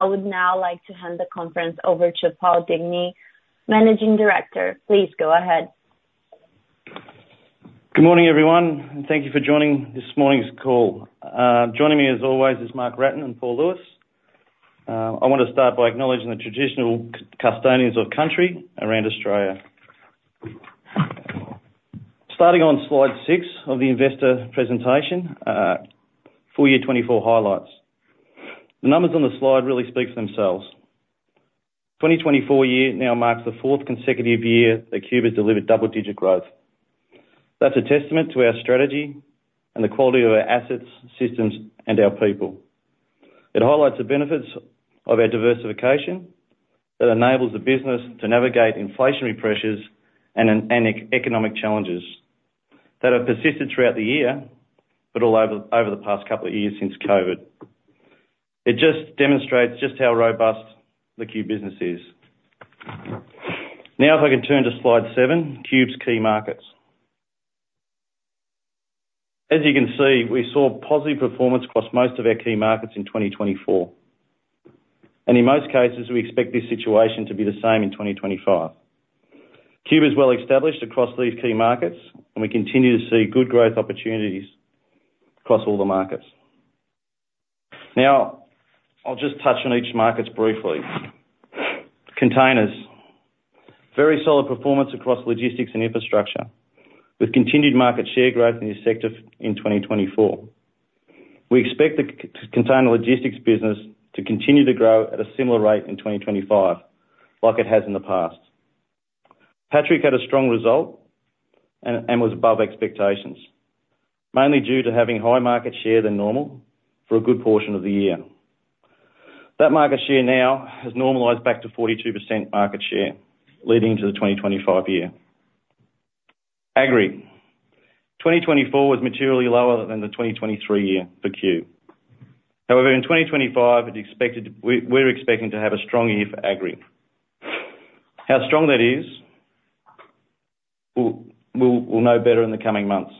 I would now like to hand the conference over to Paul Digney, Managing Director. Please go ahead. Good morning, everyone, and thank you for joining this morning's call. Joining me, as always, is Mark Wratten and Paul Lewis. I want to start by acknowledging the traditional custodians of country around Australia. Starting on Slide 6 of the investor presentation, full year 2024 highlights. The numbers on the slide really speak for themselves. 2024 now marks the fourth consecutive year that Qube has delivered double-digit growth. That's a testament to our strategy and the quality of our assets, systems, and our people. It highlights the benefits of our diversification that enables the business to navigate inflationary pressures and economic challenges that have persisted throughout the year, but all over the past couple of years since COVID. It just demonstrates just how robust the Qube business is. Now, if I can turn to Slide 7, Qube's key markets. As you can see, we saw positive performance across most of our key markets in 2024, and in most cases, we expect this situation to be the same in 2025. Qube is well-established across these key markets, and we continue to see good growth opportunities across all the markets. Now, I'll just touch on each market briefly. Containers. Very solid performance across logistics and infrastructure, with continued market share growth in this sector in 2024. We expect the container logistics business to continue to grow at a similar rate in 2025, like it has in the past. Patrick had a strong result and was above expectations, mainly due to having higher market share than normal for a good portion of the year. That market share now has normalized back to 42% market share, leading to the 2025 year. Agri. 2024 was materially lower than the 2023 year for Qube. However, in 2025, it's expected, we're expecting to have a strong year for agri. How strong that is, we'll know better in the coming months,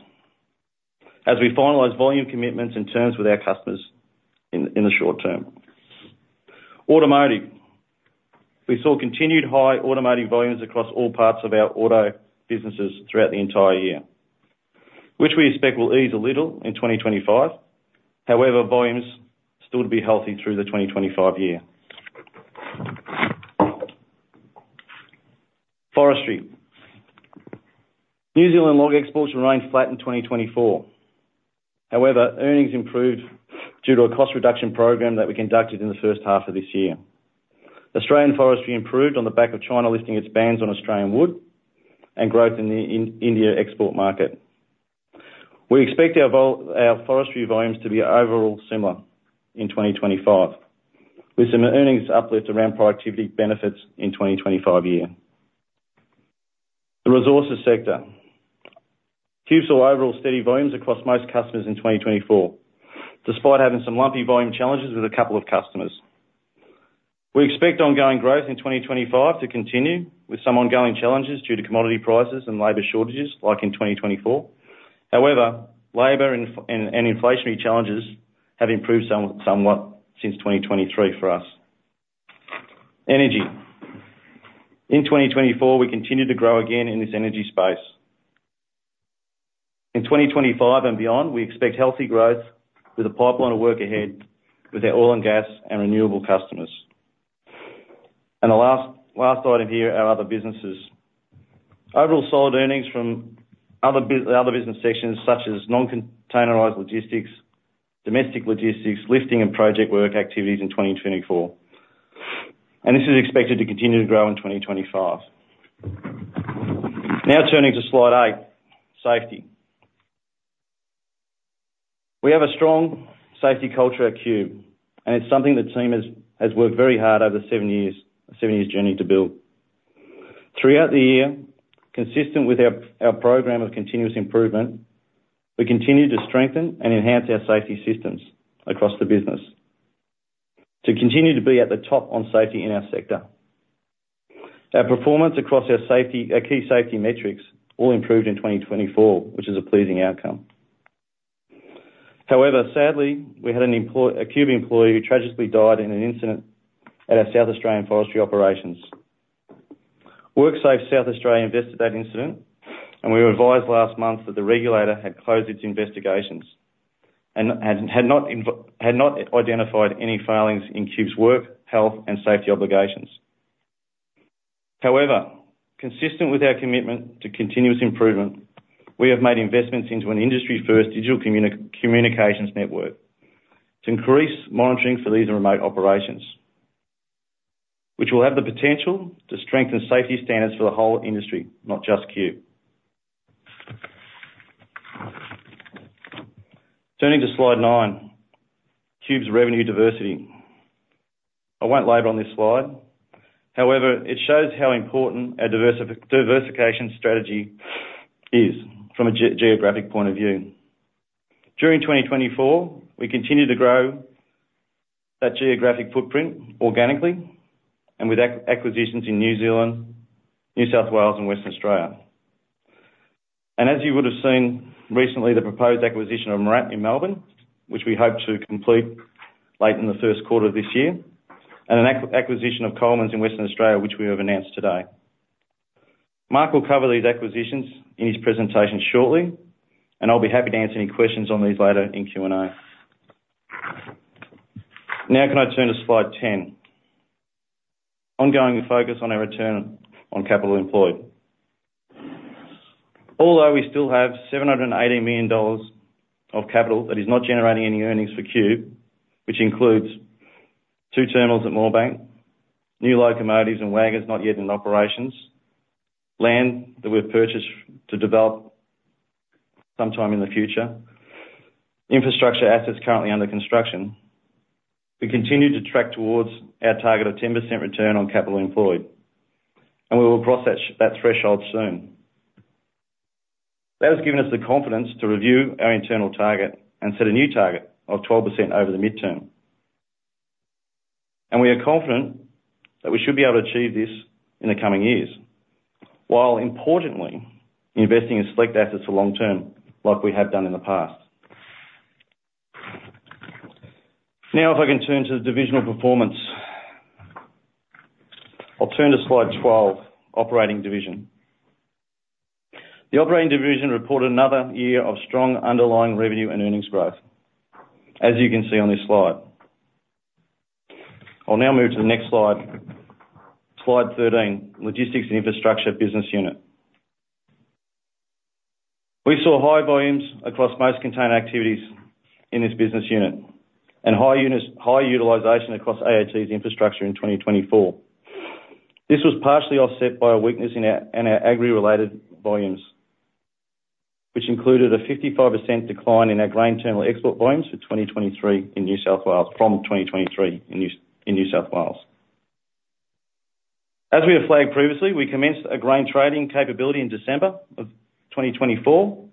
as we finalize volume commitments and terms with our customers in the short term. Automotive. We saw continued high automotive volumes across all parts of our auto businesses throughout the entire year, which we expect will ease a little in 2025. However, volumes still to be healthy through the 2025 year. Forestry. New Zealand log exports remained flat in 2024. However, earnings improved due to a cost reduction program that we conducted in the first half of this year. Australian forestry improved on the back of China lifting its bans on Australian wood and growth in the India export market. We expect our forestry volumes to be overall similar in 2025, with some earnings uplifts around productivity benefits in 2025 year. The resources sector. Qube saw overall steady volumes across most customers in 2024, despite having some lumpy volume challenges with a couple of customers. We expect ongoing growth in 2025 to continue, with some ongoing challenges due to commodity prices and labor shortages, like in 2024. However, labor and inflationary challenges have improved somewhat since 2023 for us. Energy. In 2024, we continued to grow again in this energy space. In 2025 and beyond, we expect healthy growth with a pipeline of work ahead with our oil and gas and renewable customers. The last item here, our other businesses. Overall solid earnings from other business sections, such as non-containerized logistics, domestic logistics, lifting and project work activities in 2024, and this is expected to continue to grow in 2025. Now turning to Slide 8, safety. We have a strong safety culture at Qube, and it's something the team has worked very hard over seven years journey to build. Throughout the year, consistent with our program of continuous improvement, we continued to strengthen and enhance our safety systems across the business to continue to be at the top on safety in our sector. Our performance across our key safety metrics all improved in 2024, which is a pleasing outcome. However, sadly, we had a Qube employee who tragically died in an incident at our South Australian forestry operations. WorkSafe South Australia investigated that incident, and we were advised last month that the regulator had closed its investigations and had not identified any failings in Qube's work, health, and safety obligations. However, consistent with our commitment to continuous improvement, we have made investments into an industry-first digital communications network to increase monitoring for these remote operations, which will have the potential to strengthen safety standards for the whole industry, not just Qube. Turning to Slide 9, Qube's revenue diversity. I won't labor on this slide, however, it shows how important our diversification strategy is from a geographic point of view. During 2024, we continued to grow that geographic footprint organically and with acquisitions in New Zealand, New South Wales, and Western Australia. As you would have seen recently, the proposed acquisition of MIRRAT in Melbourne, which we hope to complete late in the first quarter of this year, and an acquisition of Colemans in Western Australia, which we have announced today. Mark will cover these acquisitions in his presentation shortly, and I'll be happy to answer any questions on these later in Q&A. Now, can I turn to Slide 10? Ongoing focus on our return on capital employed. Although we still have 780 million dollars of capital that is not generating any earnings for Qube, which includes two terminals at Moorebank, new locomotives and wagons not yet in operations, land that we've purchased to develop sometime in the future, infrastructure assets currently under construction, we continue to track towards our target of 10% return on capital employed, and we will cross that, that threshold soon. That has given us the confidence to review our internal target and set a new target of 12% over the midterm, and we are confident that we should be able to achieve this in the coming years, while importantly, investing in select assets for long term, like we have done in the past. Now, if I can turn to the divisional performance. I'll turn to Slide 12, Operating Division. The Operating Division reported another year of strong underlying revenue and earnings growth, as you can see on this slide. I'll now move to the next slide. Slide 13, Logistics and Infrastructure Business Unit. We saw high volumes across most container activities in this business unit, and high utilization across AAT's infrastructure in 2024. This was partially offset by a weakness in our agri-related volumes, which included a 55% decline in our grain terminal export volumes for 2023 in New South Wales. As we have flagged previously, we commenced a grain trading capability in December of 2024,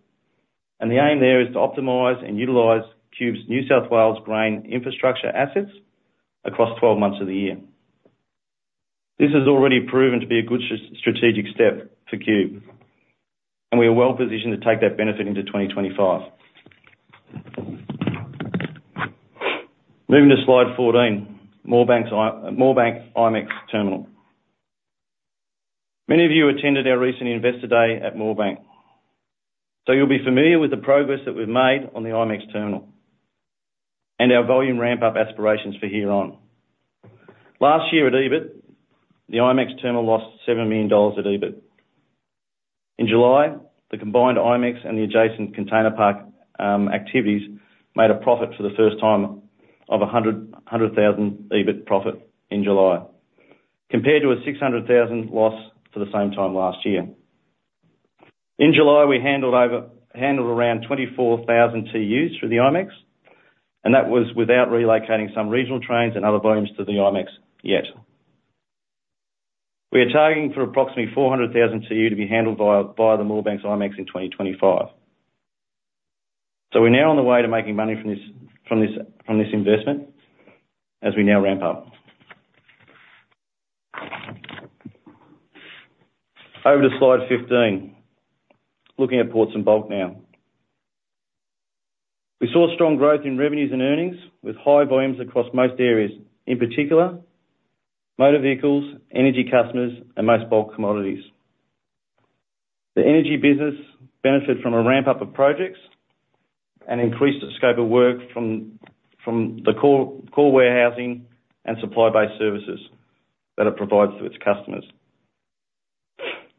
and the aim there is to optimize and utilize Qube's New South Wales grain infrastructure assets across 12 months of the year. This has already proven to be a good strategic step for Qube, and we are well positioned to take that benefit into 2025. Moving to Slide 14, Moorebank IMEX Terminal. Many of you attended our recent Investor Day at Moorebank, so you'll be familiar with the progress that we've made on the IMEX terminal and our volume ramp-up aspirations for here on. Last year at EBIT, the IMEX terminal lost 7 million dollars at EBIT. In July, the combined IMEX and the adjacent container park activities made a profit for the first time of 100,000 EBIT profit in July, compared to 600,000 loss for the same time last year. In July, we handled around 24,000 TEUs through the IMEX, and that was without relocating some regional trains and other volumes to the IMEX yet. We are targeting approximately 400,000 TEU to be handled by the Moorebank's IMEX in 2025. So we're now on the way to making money from this investment as we now ramp up. Over to Slide 15. Looking at ports and bulk now. We saw strong growth in revenues and earnings, with high volumes across most areas, in particular, motor vehicles, energy customers, and most bulk commodities. The energy business benefited from a ramp-up of projects and increased the scope of work from the core warehousing and supply-based services that it provides to its customers.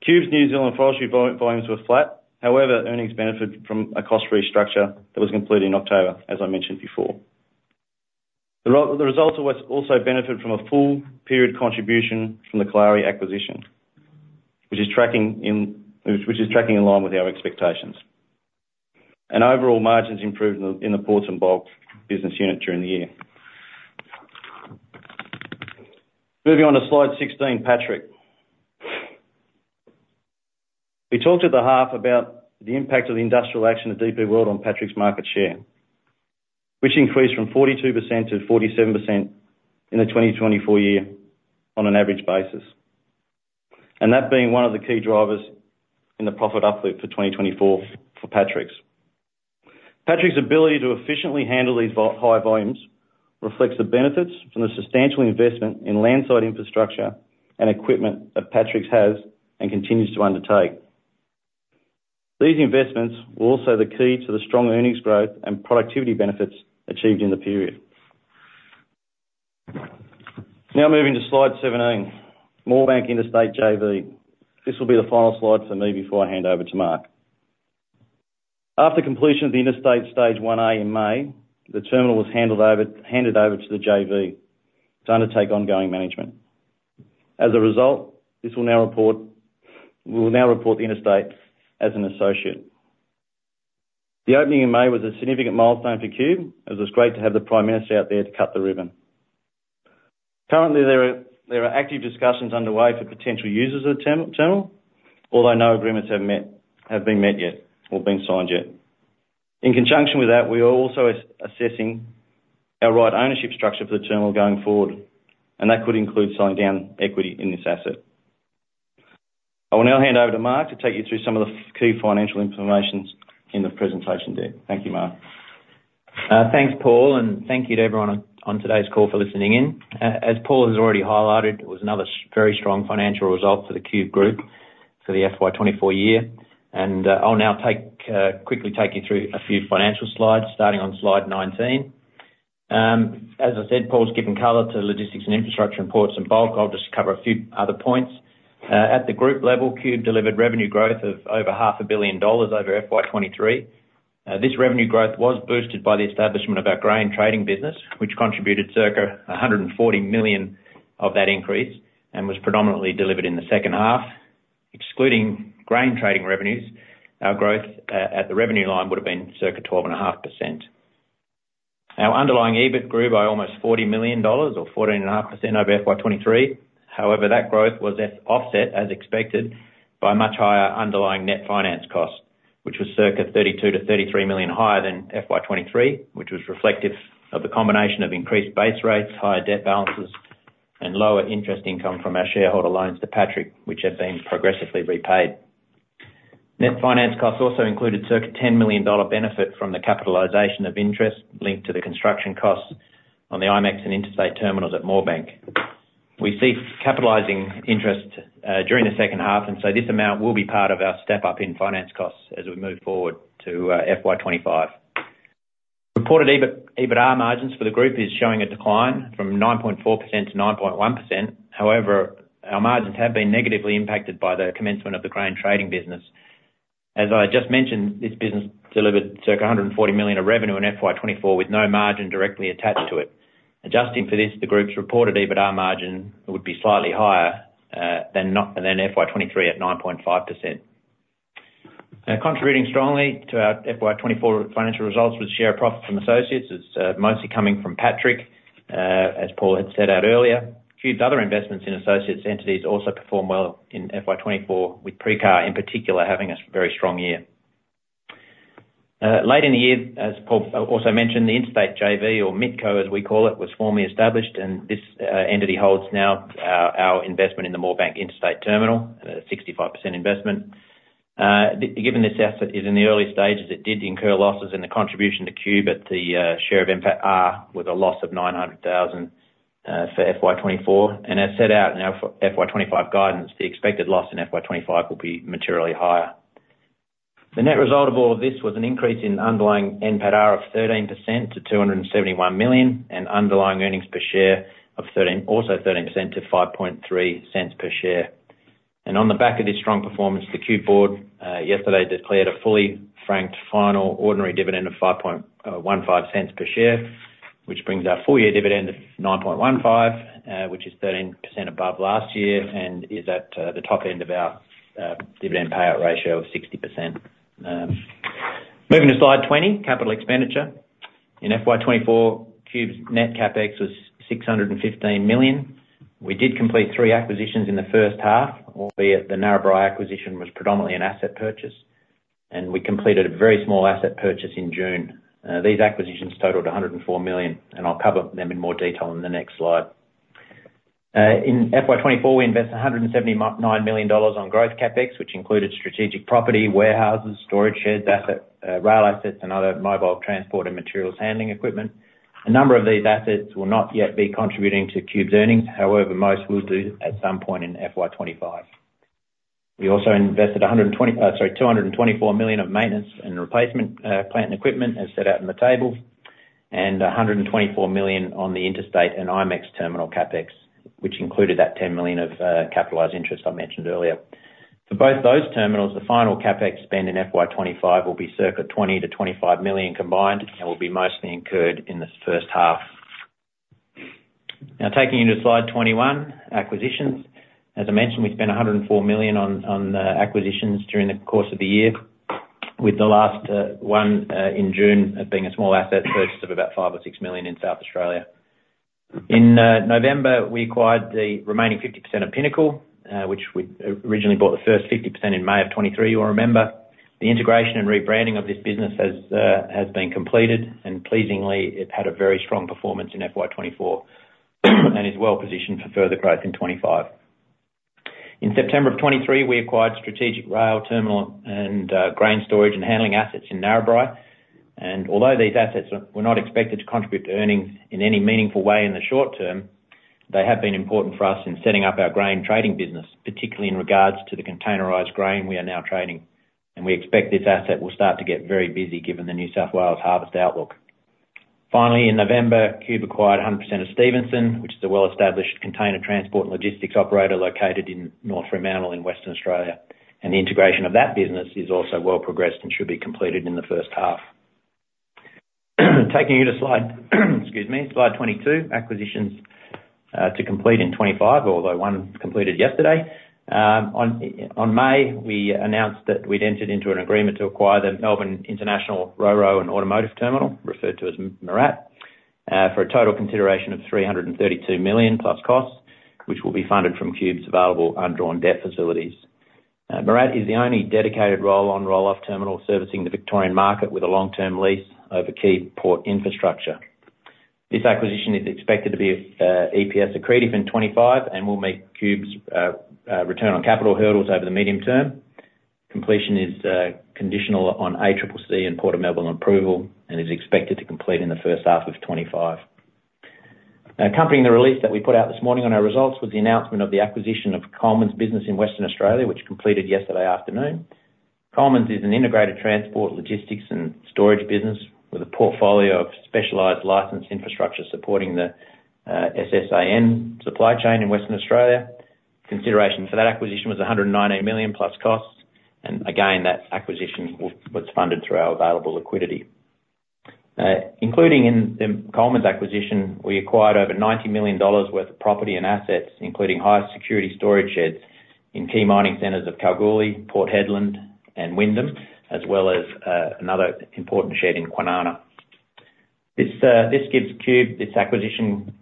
Qube's New Zealand forestry volumes were flat, however, earnings benefited from a cost restructure that was completed in October, as I mentioned before. The results of which also benefit from a full period contribution from the Kalari acquisition, which is tracking in line with our expectations. And overall margins improved in the ports and bulk business unit during the year. Moving on to Slide 16, Patrick. We talked at the half about the impact of the industrial action of DP World on Patrick's market share, which increased from 42% to 47% in the 2024 year on an average basis. And that being one of the key drivers in the profit uplift for 2024 for Patrick's. Patrick's ability to efficiently handle these high volumes reflects the benefits from the substantial investment in landside infrastructure and equipment that Patrick's has and continues to undertake. These investments were also the key to the strong earnings growth and productivity benefits achieved in the period. Now moving to Slide 17, Moorebank Interstate JV. This will be the final slide for me before I hand over to Mark. After completion of the interstate Stage 1A in May, the terminal was handed over to the JV to undertake ongoing management. As a result, we will now report the interstate as an associate. The opening in May was a significant milestone for Qube, as it was great to have the Prime Minister out there to cut the ribbon. Currently, there are active discussions underway for potential users of the terminal, although no agreements have been met yet or been signed yet. In conjunction with that, we are also assessing our equity ownership structure for the terminal going forward, and that could include selling down equity in this asset. I will now hand over to Mark to take you through some of the key financial information in the presentation deck. Thank you, Mark. Thanks, Paul, and thank you to everyone on today's call for listening in. As Paul has already highlighted, it was another very strong financial result for the Qube Group for the FY 2024 year, and I'll now quickly take you through a few financial slides, starting on Slide 19. As I said, Paul's given color to logistics and infrastructure and ports and bulk. I'll just cover a few other points. At the group level, Qube delivered revenue growth of over 500 million dollars over FY 2023. This revenue growth was boosted by the establishment of our grain trading business, which contributed circa 140 million of that increase, and was predominantly delivered in the second half. Excluding grain trading revenues, our growth at the revenue line would've been circa 12.5%. Our underlying EBIT grew by almost 40 million dollars or 14.5% over FY 2023. However, that growth was offset, as expected, by much higher underlying net finance costs, which was circa 32 million-33 million higher than FY 2023, which was reflective of the combination of increased base rates, higher debt balances, and lower interest income from our shareholder loans to Patrick, which have been progressively repaid. Net finance costs also included circa 10 million dollar benefit from the capitalization of interest linked to the construction costs on the IMEX and Interstate terminals at Moorebank. We see capitalizing interest during the second half, and so this amount will be part of our step up in finance costs as we move forward to FY 2025. Reported EBIT, EBITDA margins for the group is showing a decline from 9.4% to 9.1%. However, our margins have been negatively impacted by the commencement of the grain trading business. As I just mentioned, this business delivered circa 140 million of revenue in FY 2024, with no margin directly attached to it. Adjusting for this, the group's reported EBITDA margin would be slightly higher than FY 2023 at 9.5%. Contributing strongly to our FY 2024 financial results with share profit from associates is, mostly coming from Patrick. As Paul had set out earlier, Qube's other investments in associates entities also performed well in FY 2024, with Prixcar in particular, having a very strong year. Late in the year, as Paul also mentioned, the Interstate JV, or MITCO, as we call it, was formally established, and this entity holds now our investment in the Moorebank Interstate Terminal, 65% investment. Given this asset is in the early stages, it did incur losses, and the contribution to Qube at the share of NPATA, with a loss of 900,000 for FY 2024. As set out in our FY 2025 guidance, the expected loss in FY 2025 will be materially higher. The net result of all of this was an increase in underlying NPATA of 13% to 271 million, and underlying earnings per share of 13, also 13% to 15.3 per share. On the back of this strong performance, the Qube board yesterday declared a fully franked final ordinary dividend of 0.0515 per share, which brings our full-year dividend to 0.0915, which is 13% above last year and is at the top end of our dividend payout ratio of 60%. Moving to Slide 20, capital expenditure. In FY 2024, Qube's net CapEx was 615 million. We did complete three acquisitions in the first half, albeit the Narrabri acquisition was predominantly an asset purchase, and we completed a very small asset purchase in June. These acquisitions totaled 104 million, and I'll cover them in more detail in the next slide. In FY 2024, we invested 179 million dollars on growth CapEx, which included strategic property, warehouses, storage sheds, asset, rail assets, and other mobile transport and materials handling equipment. A number of these assets will not yet be contributing to Qube's earnings, however, most will do at some point in FY 2025. We also invested 244 million of maintenance and replacement plant and equipment, as set out in the table, and 124 million on the Interstate and IMEX Terminal CapEx, which included that ten million of capitalized interest I mentioned earlier. For both those terminals, the final CapEx spend in FY 2025 will be circa 20 million-25 million combined and will be mostly incurred in this first half. Now, taking you to Slide 21, acquisitions. As I mentioned, we spent 104 million on acquisitions during the course of the year, with the last one in June, as being a small asset purchase of about 5 million-6 million in South Australia. In November, we acquired the remaining 50% of Pinnacle, which we originally bought the first 50% in May of 2023. You'll remember, the integration and rebranding of this business has been completed, and pleasingly, it had a very strong performance in FY 2024, and is well positioned for further growth in 2025. In September of 2023, we acquired strategic rail terminal and grain storage and handling assets in Narrabri, and although these assets were not expected to contribute to earnings in any meaningful way in the short term, they have been important for us in setting up our grain trading business, particularly in regards to the containerized grain we are now trading, and we expect this asset will start to get very busy given the New South Wales harvest outlook. Finally, in November, Qube acquired 100% of Stevenson, which is a well-established container transport and logistics operator located in North Fremantle in Western Australia, and the integration of that business is also well progressed and should be completed in the first half. Taking you to slide, excuse me, Slide 22, acquisitions to complete in 2025, although one completed yesterday. On May, we announced that we'd entered into an agreement to acquire the Melbourne International RoRo and Automotive Terminal, referred to as MIRRAT, for a total consideration of 332 million plus costs, which will be funded from Qube's available undrawn debt facilities. MIRRAT is the only dedicated roll-on, roll-off terminal servicing the Victorian market with a long-term lease over key port infrastructure. This acquisition is expected to be EPS accretive in 2025 and will meet Qube's return on capital hurdles over the medium term. Completion is conditional on ACCC and Port of Melbourne approval, and is expected to complete in the first half of 2025. Now, accompanying the release that we put out this morning on our results, was the announcement of the acquisition of Colemans business in Western Australia, which completed yesterday afternoon. Colemans is an integrated transport, logistics, and storage business with a portfolio of specialized licensed infrastructure supporting the SSAN supply chain in Western Australia. Consideration for that acquisition was 119 million plus costs, and again, that acquisition was funded through our available liquidity. Including in the Colemans acquisition, we acquired over 90 million dollars worth of property and assets, including high security storage sheds in key mining centers of Kalgoorlie, Port Hedland, and Wyndham, as well as another important shed in Kwinana. This acquisition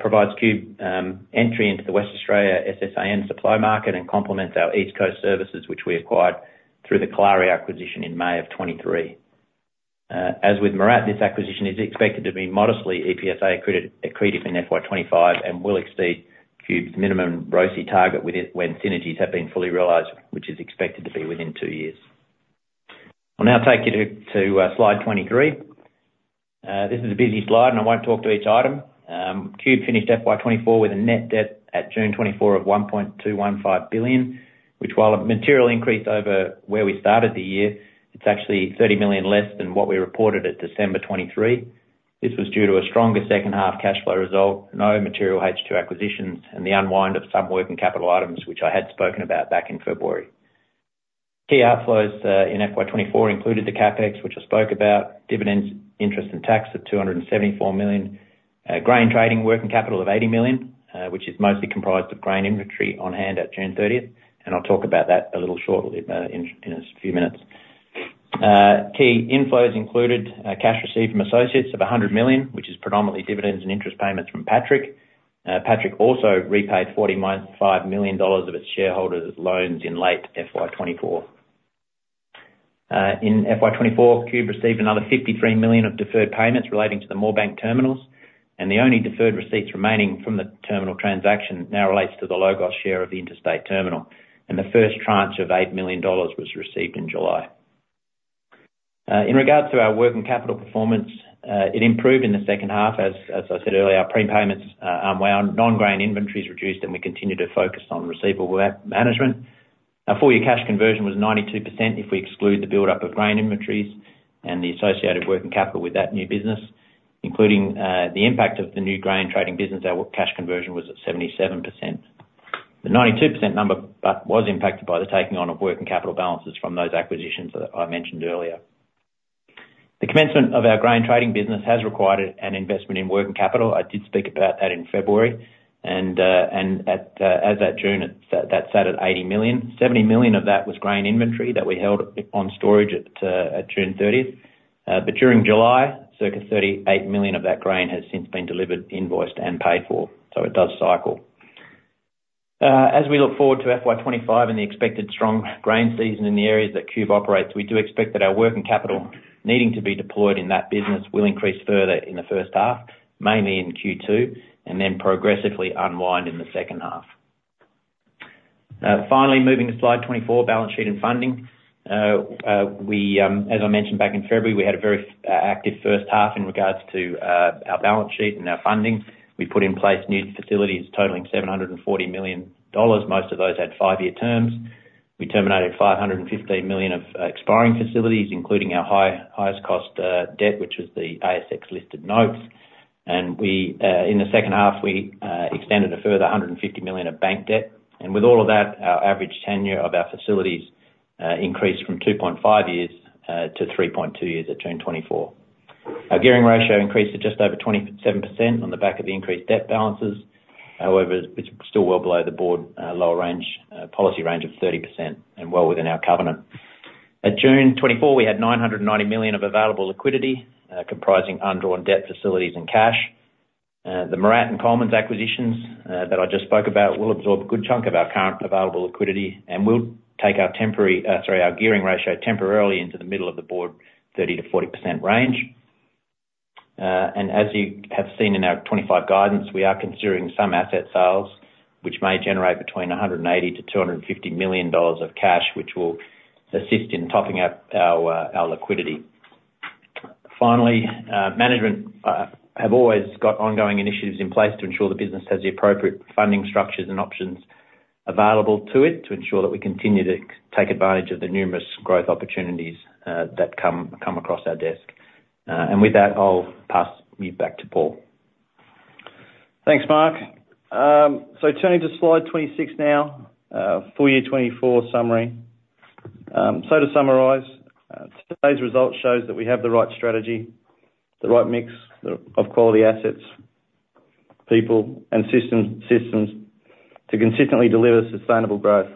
provides Qube entry into the Western Australia SSAN supply market and complements our East Coast services, which we acquired through the Kalari acquisition in May of 2023. As with MIRRAT, this acquisition is expected to be modestly EPSA accreted, accretive in FY 2025 and will exceed Qube's minimum ROCE target with it when synergies have been fully realized, which is expected to be within two years. I'll now take you to Slide 23. This is a busy slide, and I won't talk to each item. Qube finished FY 2024 with a net debt at June 2024 of 1.215 billion, which while a material increase over where we started the year, it's actually 30 million less than what we reported at December 2023. This was due to a stronger second half cash flow result, no material H2 acquisitions, and the unwind of some working capital items, which I had spoken about back in February. Key outflows in FY 2024 included the CapEx, which I spoke about, dividends, interest, and tax of 274 million, grain trading working capital of 80 million, which is mostly comprised of grain inventory on hand at June 30th, and I'll talk about that a little shortly, in a few minutes. Key inflows included cash received from associates of 100 million, which is predominantly dividends and interest payments from Patrick. Patrick also repaid 45 million dollars of its shareholders' loans in late FY 2024. In FY 2024, Qube received another 53 million of deferred payments relating to the Moorebank terminals, and the only deferred receipts remaining from the terminal transaction now relates to the LOGOS share of the interstate terminal, and the first tranche of 8 million dollars was received in July. In regards to our working capital performance, it improved in the second half. As I said earlier, our prepayments, non-grain inventories reduced, and we continued to focus on receivable management. Our full year cash conversion was 92% if we exclude the buildup of grain inventories and the associated working capital with that new business. Including the impact of the new grain trading business, our cash conversion was at 77%. The 92% number but was impacted by the taking on of working capital balances from those acquisitions that I mentioned earlier. The commencement of our grain trading business has required an investment in working capital. I did speak about that in February, and as at June, it sat at 80 million. 70 million of that was grain inventory that we held on storage at at June 30th, but during July, circa 38 million of that grain has since been delivered, invoiced, and paid for, so it does cycle. As we look forward to FY 2025 and the expected strong grain season in the areas that Qube operates, we do expect that our working capital needing to be deployed in that business will increase further in the first half, mainly in Q2, and then progressively unwind in the second half. Finally, moving to Slide 24, balance sheet and funding. As I mentioned back in February, we had a very active first half in regards to our balance sheet and our funding. We put in place new facilities totaling 740 million dollars. Most of those had five-year terms. We terminated 515 million of expiring facilities, including our highest cost debt, which was the ASX-listed notes. We in the second half extended a further 150 million of bank debt, and with all of that, our average tenure of our facilities increased from 2.5 years to 3.2 years at June 2024. Our gearing ratio increased to just over 27% on the back of the increased debt balances; however, it's still well below the board lower range policy range of 30% and well within our covenant. At June 2024, we had 990 million of available liquidity comprising undrawn debt facilities and cash. The MIRRAT and Colemans acquisitions that I just spoke about will absorb a good chunk of our current available liquidity and will take our gearing ratio temporarily into the middle of the board, 30%-40% range. As you have seen in our 2025 guidance, we are considering some asset sales, which may generate between 180 million and 250 million dollars of cash, which will assist in topping up our liquidity. Finally, management have always got ongoing initiatives in place to ensure the business has the appropriate funding structures and options available to it, to ensure that we continue to take advantage of the numerous growth opportunities that come across our desk. With that, I'll pass you back to Paul. Thanks, Mark. So turning to Slide 26 now, full year 2024 summary. So to summarize, today's results shows that we have the right strategy, the right mix of quality assets, people, and system, systems to consistently deliver sustainable growth.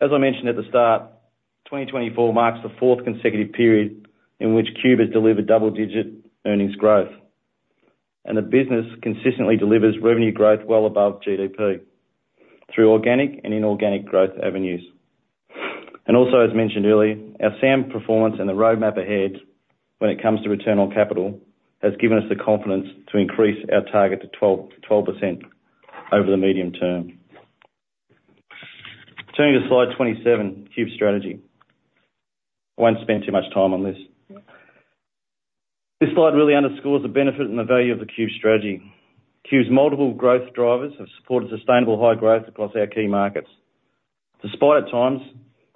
As I mentioned at the start, 2024 marks the fourth consecutive period in which Qube has delivered double-digit earnings growth, and the business consistently delivers revenue growth well above GDP through organic and inorganic growth avenues. Also, as mentioned earlier, our SAM performance and the roadmap ahead when it comes to return on capital has given us the confidence to increase our target to 12% over the medium term. Turning to Slide 27, Qube's strategy. I won't spend too much time on this. This slide really underscores the benefit and the value of the Qube strategy. Qube's multiple growth drivers have supported sustainable high growth across our key markets, despite, at times,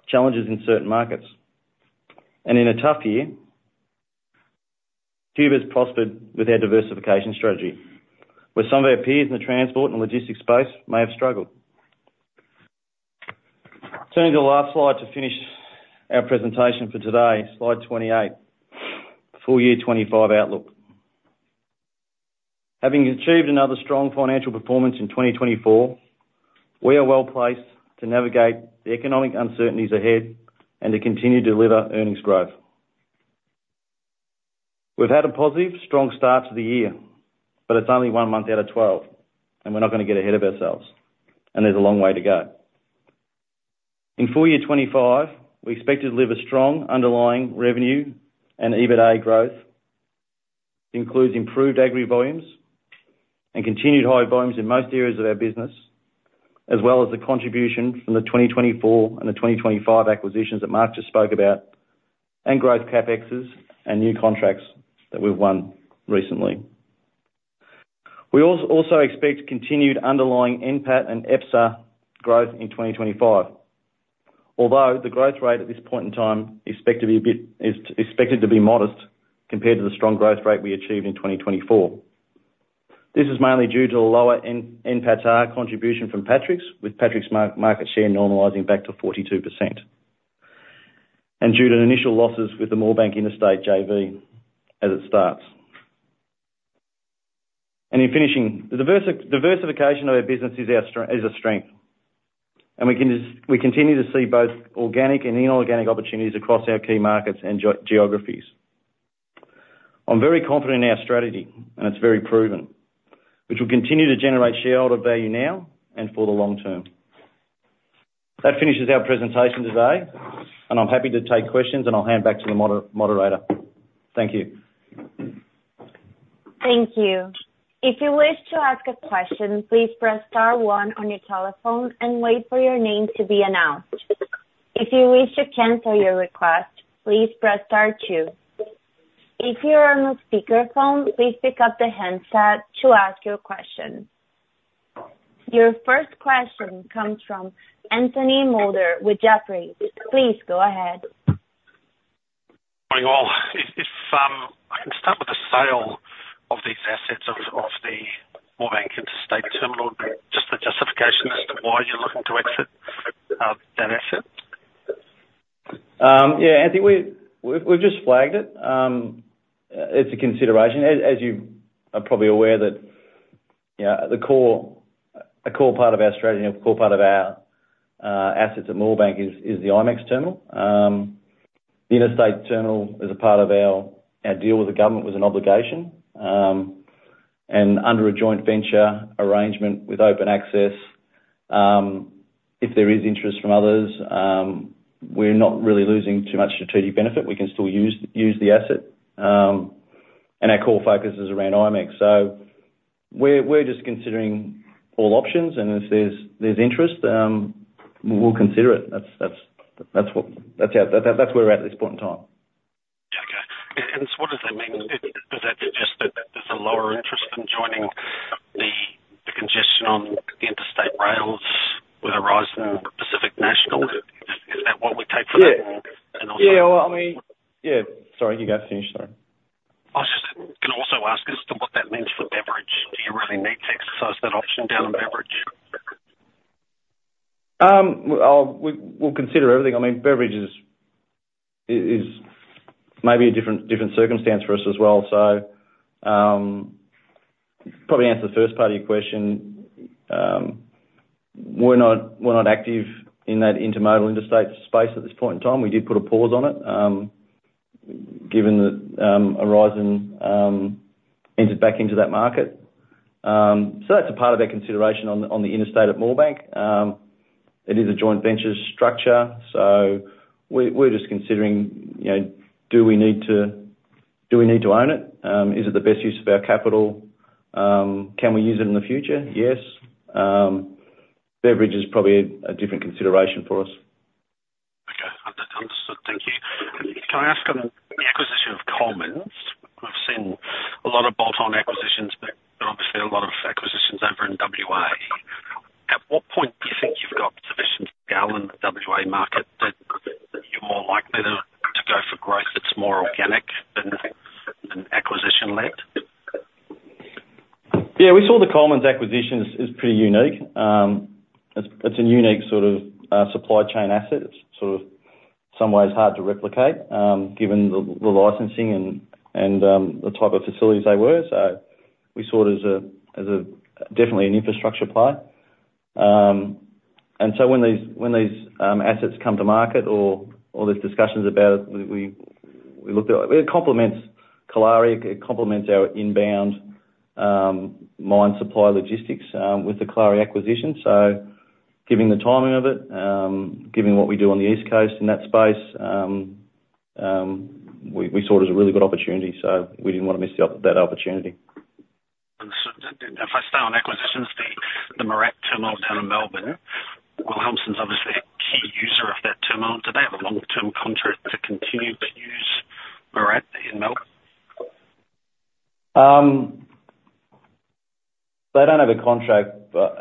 challenges in certain markets, and in a tough year, Qube has prospered with our diversification strategy, where some of our peers in the transport and logistics space may have struggled. Turning to the last slide to finish our presentation for today, Slide 28, Full Year 2025 Outlook. Having achieved another strong financial performance in 2024, we are well-placed to navigate the economic uncertainties ahead and to continue to deliver earnings growth. We've had a positive, strong start to the year, but it's only one month out of 12, and we're not gonna get ahead of ourselves, and there's a long way to go. In full year 2025, we expect to deliver strong underlying revenue and EBITDA growth, including improved agri volumes and continued high volumes in most areas of our business, as well as the contribution from the 2024 and the 2025 acquisitions that Mark just spoke about, and growth CapEx and new contracts that we've won recently. We also expect continued underlying NPAT and EPSA growth in 2025, although the growth rate at this point in time is expected to be modest compared to the strong growth rate we achieved in 2024. This is mainly due to a lower NPAT contribution from Patrick's, with Patrick's market share normalizing back to 42%, and due to initial losses with the Moorebank Interstate JV as it starts. In finishing, the diversification of our business is a strength, and we continue to see both organic and inorganic opportunities across our key markets and geographies. I'm very confident in our strategy, and it's very proven, which will continue to generate shareholder value now and for the long term. That finishes our presentation today, and I'm happy to take questions, and I'll hand back to the moderator. Thank you. Thank you. If you wish to ask a question, please press star one on your telephone and wait for your name to be announced. If you wish to cancel your request, please press star two. If you are on a speakerphone, please pick up the handset to ask your question. Your first question comes from Anthony Moulder with Jefferies. Please go ahead. Morning, all. If I can start with the sale of these assets of the Moorebank Interstate Terminal, just the justification as to why you're looking to exit that asset? Yeah, Anthony, we've just flagged it. It's a consideration. As you are probably aware, that, you know, the core, a core part of our strategy and a core part of our assets at Moorebank is the IMEX terminal. The interstate terminal is a part of our deal with the government was an obligation, and under a joint venture arrangement with open access, if there is interest from others, we're not really losing too much to benefit. We can still use the asset, and our core focus is around IMEX. So we're just considering all options, and if there's interest, we'll consider it. That's where we're at at this point in time. Yeah, okay. And so what does that mean? Does that suggest that there's a lower interest in joining the congestion on the interstate rails with a rise in Pacific National? Is that what we take from that? Yeah. And also- Yeah, well, I mean. Yeah, sorry, you go finish. Sorry. I was just gonna also ask as to what that means for Beveridge. Do you really need to exercise that option down in Beveridge? Well, we'll consider everything. I mean, Beveridge is maybe a different circumstance for us as well. So, probably answer the first part of your question. We're not active in that intermodal interstate space at this point in time. We did put a pause on it, given that, Aurizon entered back into that market. So that's a part of our consideration on the interstate at Moorebank. It is a joint venture structure, so we're just considering, you know, do we need to own it? Is it the best use of our capital? Can we use it in the future? Yes. Beveridge is probably a different consideration for us. Okay. Understood. Thank you. Can I ask on the acquisition of Colemans? I've seen a lot of bolt-on acquisitions, but obviously a lot of acquisitions over in WA. At what point do you think you've got sufficient scale in the WA market that you're more likely to go for growth that's more organic than acquisition-led? Yeah, we saw the Colemans acquisition as pretty unique. It's a unique sort of supply chain asset. It's sort of, some ways, hard to replicate, given the licensing and the type of facilities they were. So we saw it as a definitely an infrastructure play. And so when these assets come to market or there's discussions about it, we look at it. It complements Kalari, it complements our inbound mine supply logistics with the Kalari acquisition. So given the timing of it, given what we do on the East Coast in that space, we saw it as a really good opportunity, so we didn't want to miss that opportunity. If I stay on acquisitions, the MIRRAT Terminal down in Melbourne, Wallenius Wilhelmsen's obviously a key user of that terminal. Do they have a long-term contract to continue to use MIRRAT in Melbourne? They don't have a contract, but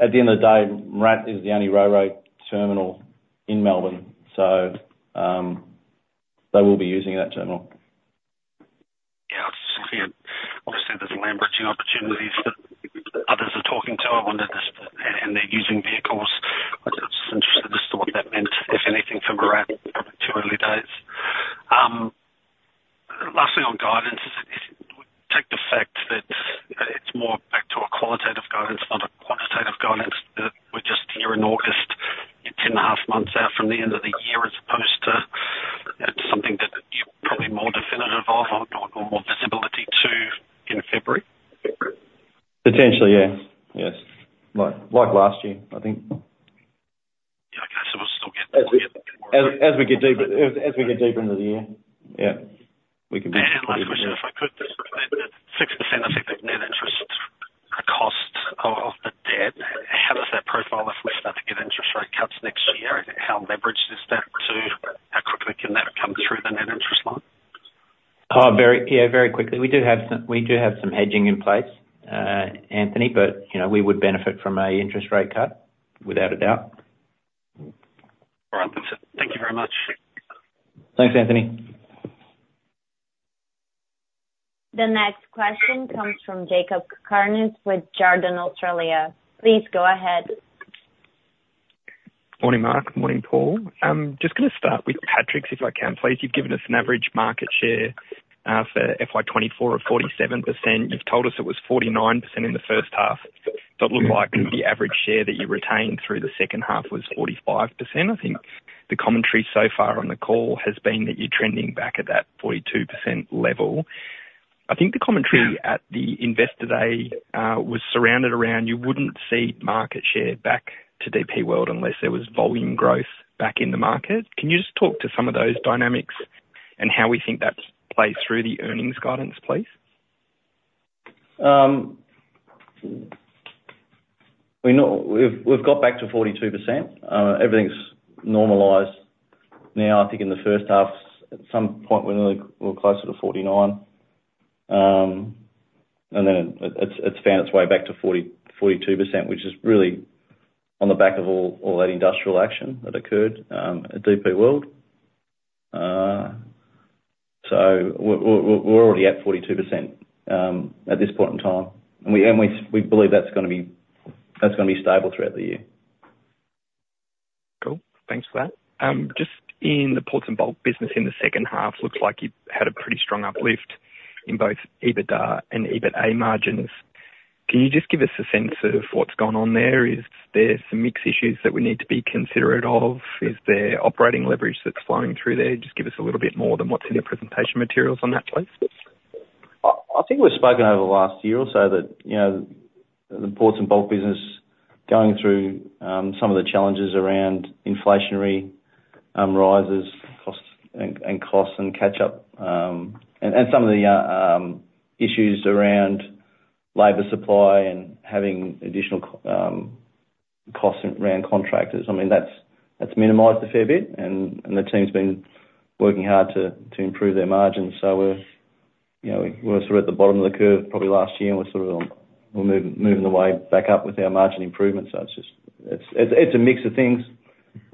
at the end of the day, MIRRAT is the only railway terminal in Melbourne, so they will be using that terminal. Yeah, it's just clear. Obviously, there's land bridging opportunities that others are talking to. I wonder just and they're using vehicles. I was just interested as to what that meant, if anything, for MIRRAT. Probably too early days. Last thing on guidance is take the fact that it's more back to a qualitative guidance, not a quantitative guidance, that we're just here in August, you're 10 and a half months out from the end of the year, as opposed to it's something that you're probably more definitive of or more visibility to in February? Potentially, yeah. Yes. Like last year, I think. Yeah, okay. So we'll still get- As we get deeper into the year, yeah, we can- Last question, if I could, just 6%, I think, the net interest, the cost of the debt. How does that profile if we start to get interest rate cuts next year? How leveraged is that to... How quickly can that come through the net interest line? Very quickly. We do have some hedging in place, Anthony, but, you know, we would benefit from a interest rate cut, without a doubt. All right. Thank you very much. Thanks, Anthony. The next question comes from Jakob Cakarnis with Jarden Australia. Please go ahead. Morning, Mark. Morning, Paul. Just gonna start with Patrick Terminals', if I can please. You've given us an average market share, for FY 2024 of 47%. You've told us it was 49% in the first half. But it looked like the average share that you retained through the second half was 45%. I think the commentary so far on the call has been that you're trending back at that 42% level. I think the commentary at the Investor Day was surrounded around you wouldn't see market share back to DP World, unless there was volume growth back in the market. Can you just talk to some of those dynamics and how we think that's played through the earnings guidance, please? We know we've got back to 42%. Everything's normalized now. I think in the first half, at some point, we were closer to 49%, and then it's found its way back to 42%, which is really on the back of all that industrial action that occurred at DP World. So we're already at 42% at this point in time, and we believe that's gonna be stable throughout the year. Cool. Thanks for that. Just in the ports and bulk business in the second half, looks like you've had a pretty strong uplift in both EBITDA and EBIT margins. Can you just give us a sense of what's gone on there? Is there some mix issues that we need to be considerate of? Is there operating leverage that's flowing through there? Just give us a little bit more than what's in the presentation materials on that, please. I think we've spoken over the last year or so that, you know, the ports and bulk business going through some of the challenges around inflationary rises, costs, and costs and catch up, and some of the issues around labor supply and having additional costs around contractors. I mean, that's minimized a fair bit and the team's been working hard to improve their margins. So we're, you know, we're sort of at the bottom of the curve, probably last year, and we're sort of, we're moving the way back up with our margin improvements. So it's just... It's a mix of things,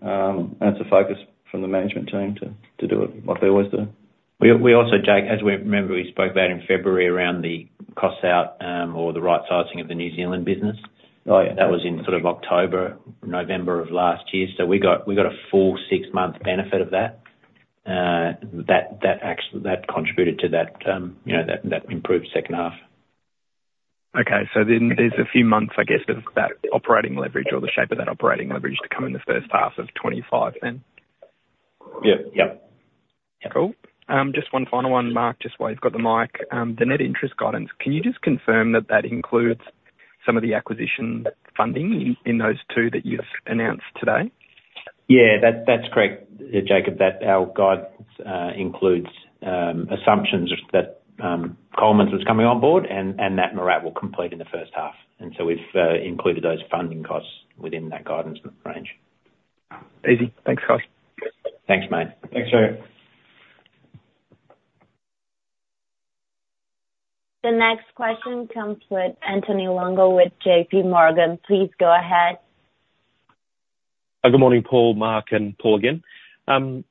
and it's a focus from the management team to do it like they always do. We also, Jake, as we remember, we spoke about in February, around the cost out, or the right sizing of the New Zealand business. That was in sort of October, November of last year. So we got a full six-month benefit of that. That actually contributed to that, you know, that improved second half. Okay. So then there's a few months, I guess, for that operating leverage or the shape of that operating leverage to come in the first half of 2025, then? Yeah. Yep. Cool. Just one final one, Mark, just while you've got the mic. The net interest guidance, can you just confirm that that includes some of the acquisition funding in those two that you've announced today? Yeah, that's correct, Jacob, that our guide includes assumptions that Colemans is coming on board and that MIRRAT will complete in the first half. And so we've included those funding costs within that guidance range. Easy. Thanks, guys. Thanks, mate. Thanks, Jake. The next question comes with Anthony Longo with JPMorgan. Please go ahead. Good morning, Paul, Mark, and Paul again.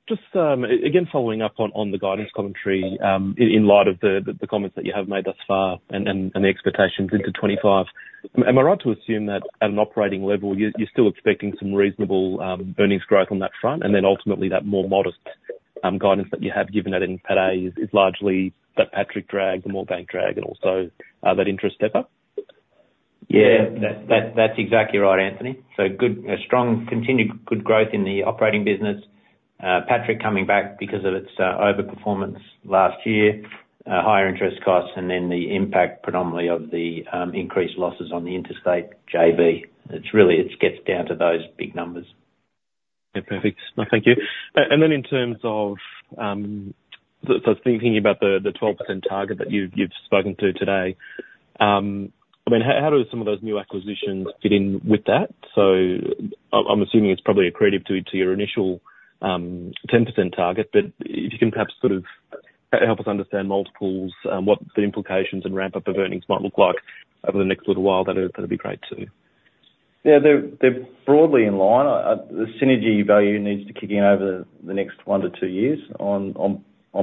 Just again, following up on the guidance commentary, in light of the comments that you have made thus far and the expectations into 2025. Am I right to assume that at an operating level, you're still expecting some reasonable earnings growth on that front, and then ultimately that more modest guidance that you have given out today is largely that Patrick drag, the Moorebank drag, and also that interest step-up? Yeah, that's exactly right, Anthony. So, a strong continued good growth in the operating business. Patrick coming back because of its overperformance last year, higher interest costs, and then the impact predominantly of the increased losses on the Interstate JV. It's really, it gets down to those big numbers. Yeah, perfect. No, thank you. And then in terms of so thinking about the 12% target that you've spoken to today, I mean, how do some of those new acquisitions fit in with that? So I'm assuming it's probably accretive to your initial 10% target, but if you can perhaps sort of help us understand multiples, what the implications and ramp up of earnings might look like over the next little while, that'd be great, too. Yeah, they're broadly in line. The synergy value needs to kick in over the next one to two years on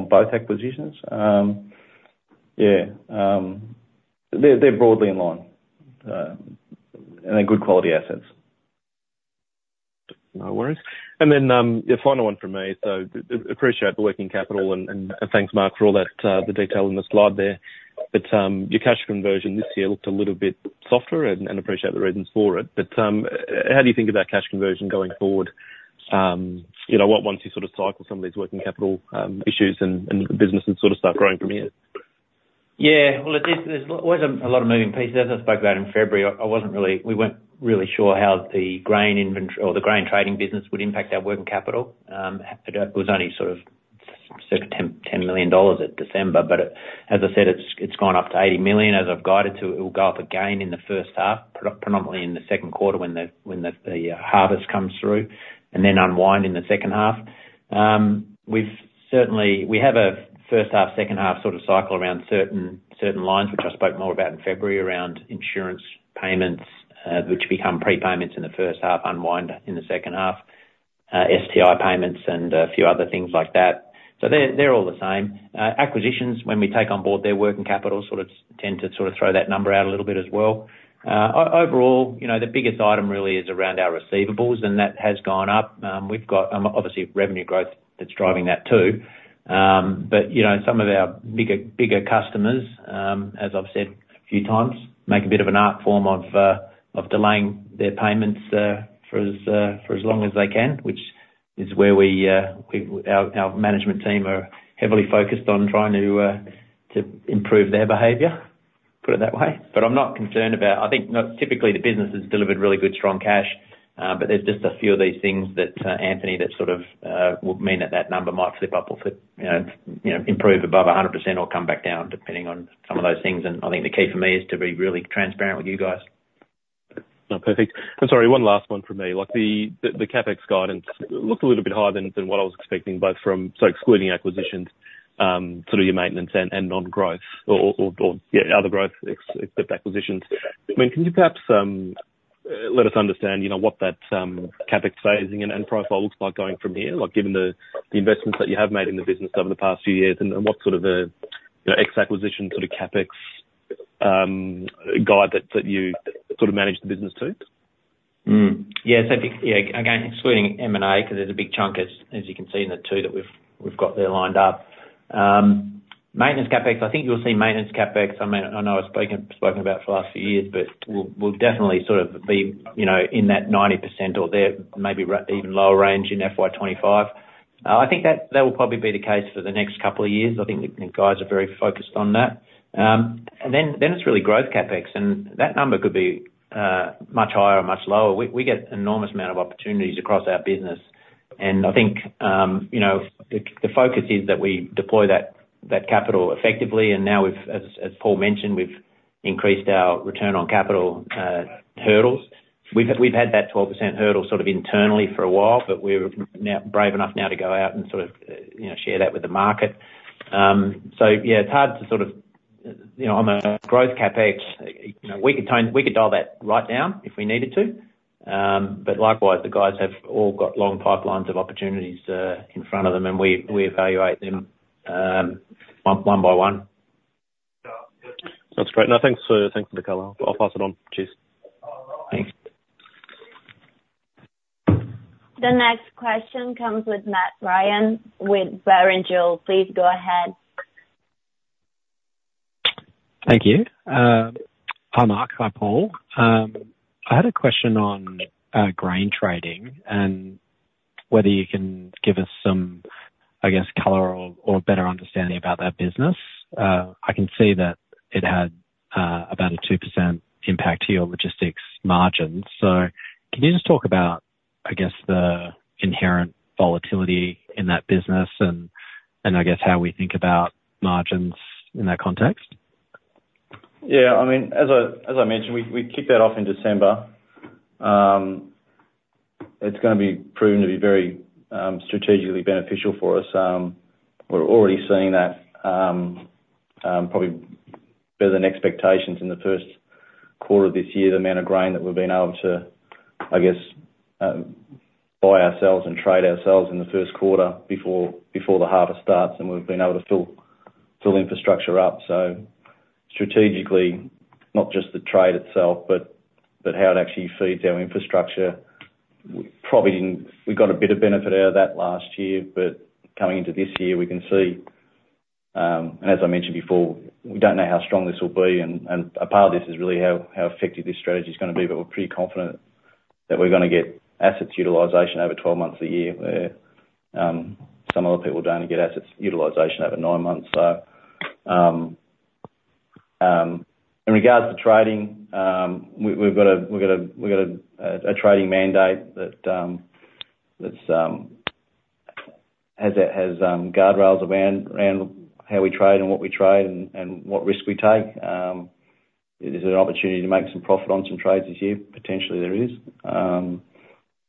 both acquisitions. Yeah, they're broadly in line, and they're good quality assets. No worries. And then the final one from me, so appreciate the working capital and thanks, Mark, for all that detail in the slide there. But your cash conversion this year looked a little bit softer and appreciate the reasons for it. But how do you think about cash conversion going forward? You know, what once you sort of cycle some of these working capital issues and the business and sort of stuff growing from here? Yeah, well, it is. There's always a lot of moving pieces. As I spoke about in February, I wasn't really. We weren't really sure how the grain inventory or the grain trading business would impact our working capital. It was only sort of certain 10 million dollars at December, but as I said, it's gone up to 80 million as I've guided to. It will go up again in the first half, predominantly in the second quarter when the harvest comes through, and then unwind in the second half. We've certainly. We have a first half, second half sort of cycle around certain lines, which I spoke more about in February, around insurance payments, which become prepayments in the first half, unwind in the second half, STI payments and a few other things like that. So they're all the same. Acquisitions, when we take on board their working capital, sort of tend to throw that number out a little bit as well. Overall, you know, the biggest item really is around our receivables, and that has gone up. We've got obviously revenue growth that's driving that, too. But, you know, some of our bigger customers, as I've said a few times, make a bit of an art form of delaying their payments for as long as they can, which is where our management team are heavily focused on trying to improve their behavior, put it that way. But I'm not concerned about... I think, you know, typically the business has delivered really good, strong cash, but there's just a few of these things that, Anthony, that sort of, would mean that that number might flip up or flip, you know, you know, improve above 100% or come back down, depending on some of those things, and I think the key for me is to be really transparent with you guys. Oh, perfect. I'm sorry, one last one from me. Like, the CapEx guidance looked a little bit higher than what I was expecting, both from... so excluding acquisitions, sort of your maintenance and non-growth or, yeah, other growth except acquisitions. I mean, can you perhaps let us understand, you know, what that CapEx phasing and profile looks like going from here? Like, given the investments that you have made in the business over the past few years, and what sort of a, you know, ex-acquisition sort of CapEx guide that you sort of manage the business to? Yeah, so yeah, again, excluding M&A, 'cause there's a big chunk, as you can see in the two that we've got there lined up. Maintenance CapEx, I think you'll see maintenance CapEx. I mean, I know I've spoken about it for the last few years, but we'll definitely sort of be, you know, in that 90% or there, maybe even lower range in FY 2025. I think that will probably be the case for the next couple of years. I think the guys are very focused on that. And then it's really growth CapEx, and that number could be much higher or much lower. We get an enormous amount of opportunities across our business, and I think, you know, the focus is that we deploy that capital effectively, and now we've... As Paul mentioned, we've increased our return on capital hurdles. We've had that 12% hurdle sort of internally for a while, but we're now brave enough to go out and sort of, you know, share that with the market. So yeah, it's hard to sort of, you know, on a growth CapEx, you know, we could dial that right down if we needed to. But likewise, the guys have all got long pipelines of opportunities in front of them, and we evaluate them one by one. Sounds great. No, thanks for the color. I'll pass it on. Cheers. Thanks. The next question comes with Matt Ryan, with Barrenjoey. Please go ahead. Thank you. Hi, Mark. Hi, Paul. I had a question on grain trading, and whether you can give us some, I guess, color or better understanding about that business. I can see that it had about a 2% impact to your logistics margins. So can you just talk about, I guess, the inherent volatility in that business and I guess how we think about margins in that context? Yeah, I mean, as I mentioned, we kicked that off in December. It's gonna be proven to be very strategically beneficial for us. We're already seeing that, probably better than expectations in the first quarter of this year, the amount of grain that we've been able to, I guess, buy ourselves and trade ourselves in the first quarter before the harvest starts, and we've been able to fill infrastructure up. So strategically, not just the trade itself, but how it actually feeds our infrastructure. Probably, we got a bit of benefit out of that last year, but coming into this year, we can see and as I mentioned before, we don't know how strong this will be, and a part of this is really how effective this strategy is gonna be, but we're pretty confident that we're gonna get assets utilization over 12 months a year, where some other people don't get assets utilization over nine months. So, in regards to trading, we have a trading mandate that has guardrails around how we trade and what we trade and what risk we take. Is there an opportunity to make some profit on some trades this year? Potentially, there is.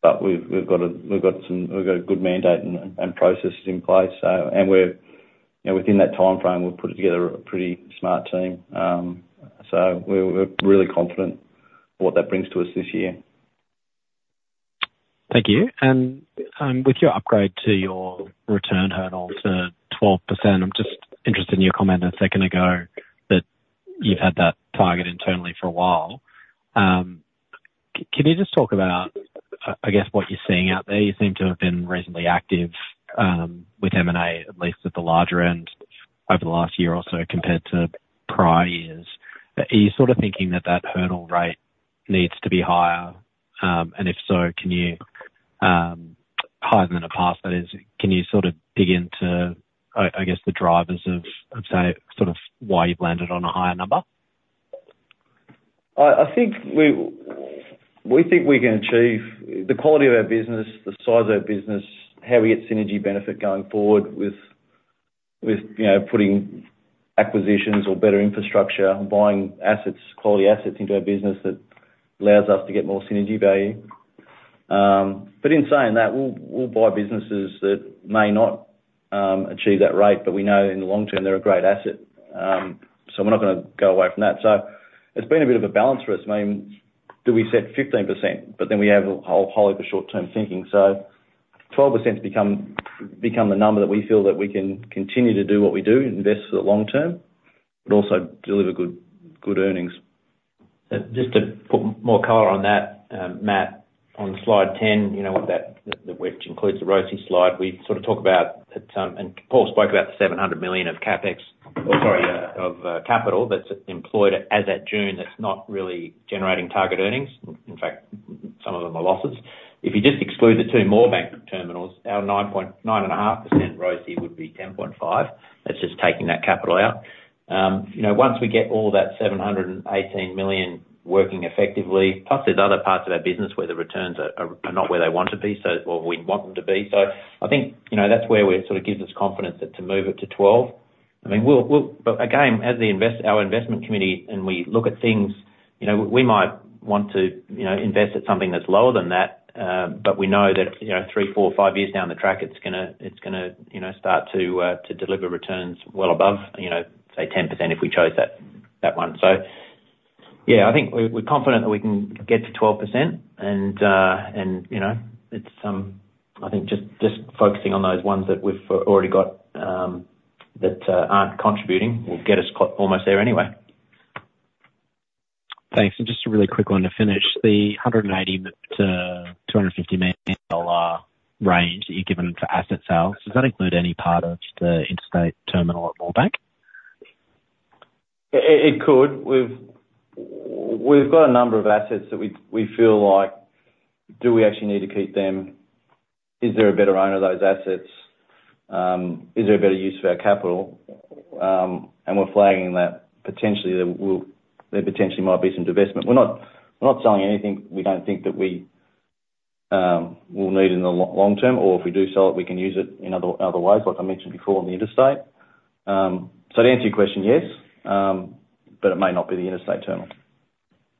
But we've got a good mandate and processes in place, and we're, you know, within that timeframe, we've put together a pretty smart team. So we're really confident what that brings to us this year. Thank you. And, with your upgrade to your return hurdle to 12%, I'm just interested in your comment a second ago, that you've had that target internally for a while. Can you just talk about, I guess, what you're seeing out there? You seem to have been reasonably active, with M&A, at least at the larger end, over the last year or so compared to prior years. Are you sort of thinking that that hurdle rate needs to be higher? And if so, can you higher than the past, that is, can you sort of dig into I guess, the drivers of say, sort of why you've landed on a higher number? I think we can achieve the quality of our business, the size of our business, how we get synergy benefit going forward with you know, putting acquisitions or better infrastructure, buying assets, quality assets into our business that allows us to get more synergy value, but in saying that, we'll buy businesses that may not achieve that rate, but we know in the long term, they're a great asset, so we're not gonna go away from that, so it's been a bit of a balance for us. I mean, do we set 15%? But then we have wholly for short-term thinking, so 12% become the number that we feel that we can continue to do what we do, invest for the long term, but also deliver good earnings. Just to put more color on that, Matt, on Slide 10, you know, that which includes the ROCE slide, we sort of talk about at and Paul spoke about the 700 of CapEx, or sorry, of capital that's employed as at June, that's not really generating target earnings. In fact, some of them are losses. If you just exclude the two Moorebank terminals, our 9.5% ROCE would be 10.5%. That's just taking that capital out. You know, once we get all that 718 million working effectively, plus there's other parts of our business where the returns are not where they want to be, so or we want them to be. So I think, you know, that's where we're sort of gives us confidence to move it to 12%. I mean, but again, as our investment committee and we look at things, you know, we might want to, you know, invest at something that's lower than that, but we know that, you know, three, four, five years down the track, it's gonna, you know, start to deliver returns well above, you know, say, 10% if we chose that one. So yeah, I think we're confident that we can get to 12% and, you know, it's I think just focusing on those ones that we've already got that aren't contributing will get us almost there anyway. Thanks. And just a really quick one to finish. The 180 million-200 million dollar range that you've given for asset sales, does that include any part of the interstate terminal at Moorebank? It could. We've got a number of assets that we feel like, do we actually need to keep them? Is there a better owner of those assets? Is there a better use of our capital? And we're flagging that potentially there might be some divestment. We're not selling anything we don't think that we will need in the long term, or if we do sell it, we can use it in other ways, like I mentioned before, in the interstate. So to answer your question, yes, but it may not be the interstate terminal.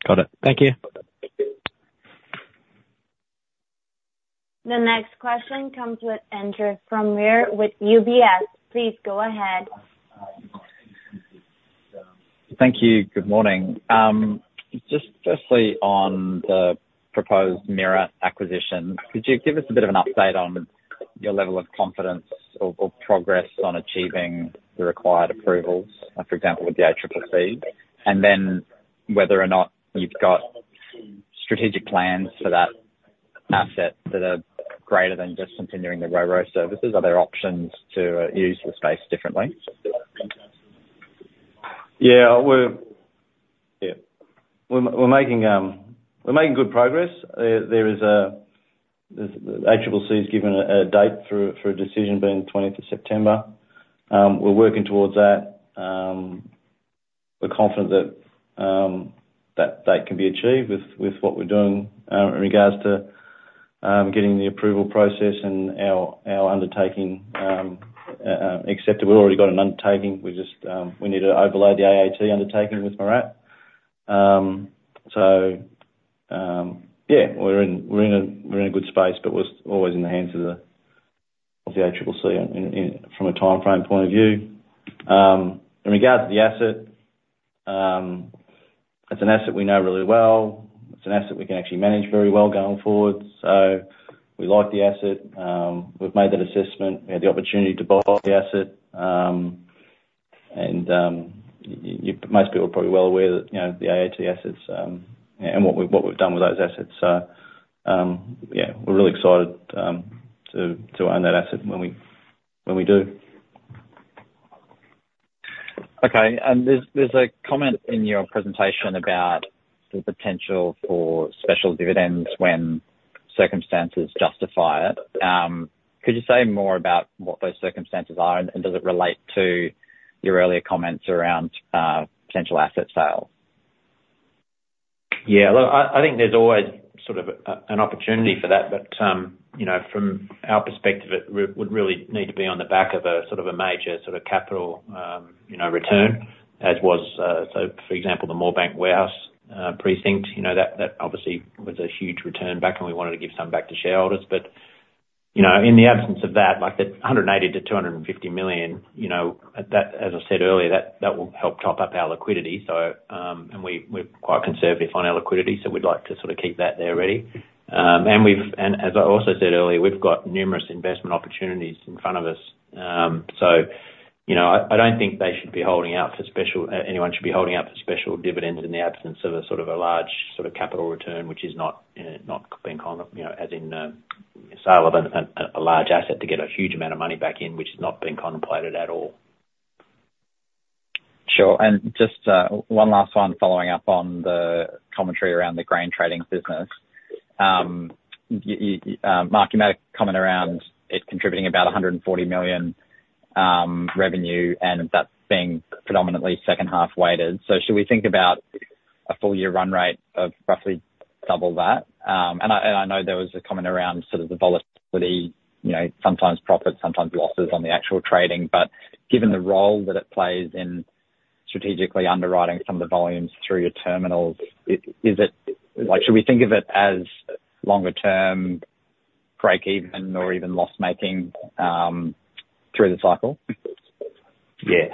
Got it. Thank you. The next question comes with Andre Fromyhr with UBS. Please go ahead. Thank you. Good morning. Just firstly, on the proposed MIRRAT acquisition, could you give us a bit of an update on your level of confidence or progress on achieving the required approvals, for example, with the ACCC? And then whether or not you've got strategic plans for that asset that are greater than just continuing the RoRo services. Are there options to use the space differently? Yeah, we're making good progress. There is the ACCC has given a date for a decision, being the 12th of September. We're working towards that. We're confident that that date can be achieved with what we're doing in regards to getting the approval process and our undertaking accepted. We've already got an undertaking. We just need to overlay the AAT undertaking with MIRRAT. Yeah, we're in a good space, but we're always in the hands of the ACCC from a timeframe point of view. In regards to the asset. It's an asset we know really well. It's an asset we can actually manage very well going forward. So we like the asset. We've made that assessment. We had the opportunity to buy the asset, and most people are probably well aware that, you know, the AAT assets, and what we, what we've done with those assets. So, yeah, we're really excited to own that asset when we do. Okay, and there's a comment in your presentation about the potential for special dividends when circumstances justify it. Could you say more about what those circumstances are, and does it relate to your earlier comments around potential asset sales? Yeah, look, I think there's always sort of an opportunity for that, but you know, from our perspective, it would really need to be on the back of a sort of a major sort of capital you know, return, as was so for example, the Moorebank Warehouse Precinct, you know, that obviously was a huge return back, and we wanted to give some back to shareholders. But you know, in the absence of that, like the 180 million-250 million you know, at that, as I said earlier, that will help top up our liquidity. So and we're quite conservative on our liquidity, so we'd like to sort of keep that there ready. And as I also said earlier, we've got numerous investment opportunities in front of us. You know, I don't think they should be holding out for special, anyone should be holding out for special dividends in the absence of a sort of a large sort of capital return, which is not, you know, not being, you know, as in, sale of an, a, a large asset to get a huge amount of money back in, which is not being contemplated at all. Sure. And just one last one following up on the commentary around the grain trading business. Mark, you made a comment around it contributing about 140 million revenue, and that being predominantly second half weighted. So should we think about a full year run rate of roughly double that? And I know there was a comment around sort of the volatility, you know, sometimes profits, sometimes losses on the actual trading. But given the role that it plays in strategically underwriting some of the volumes through your terminals, is it like should we think of it as longer term break even or even loss making through the cycle? Yeah.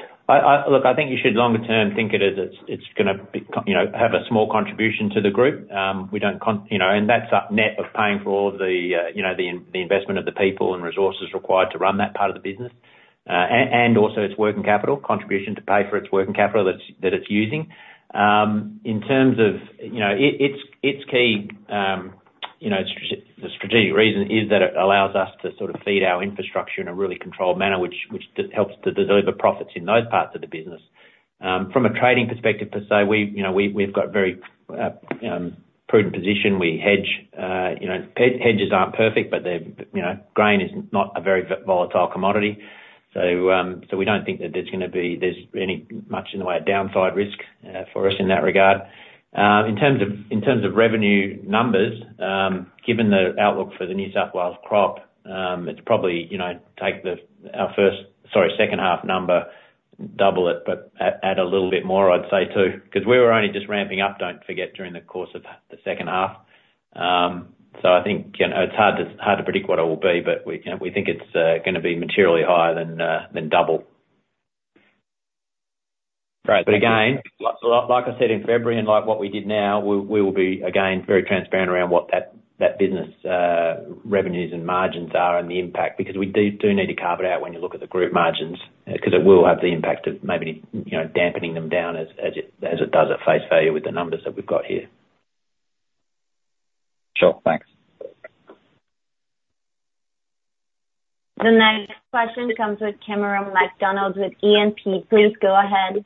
Look, I think you should longer term think it as it's gonna be, you know, have a small contribution to the group. We don't, you know, and that's up net of paying for all the, you know, the investment of the people and resources required to run that part of the business, and also its working capital contribution to pay for its working capital that's it's using. In terms of, you know, it's key, you know, the strategic reason is that it allows us to sort of feed our infrastructure in a really controlled manner, which helps to deliver profits in those parts of the business. From a trading perspective per se, you know, we've got very prudent position. We hedge, you know, hedges aren't perfect, but they're, you know, grain is not a very volatile commodity. So, we don't think that there's gonna be any much in the way of downside risk, for us in that regard. In terms of revenue numbers, given the outlook for the New South Wales crop, it's probably, you know, take our first, sorry, second half number, double it, but add a little bit more, I'd say, too, 'cause we were only just ramping up, don't forget, during the course of the second half. So I think, you know, it's hard to predict what it will be, but we, you know, we think it's gonna be materially higher than double. Great. Again, like I said in February and like what we did now, we will be again very transparent around what that business revenues and margins are and the impact, because we do need to carve it out when you look at the group margins, because it will have the impact of maybe, you know, dampening them down as it does at face value with the numbers that we've got here. Sure. Thanks. The next question comes with Cameron McDonald with E&P. Please go ahead.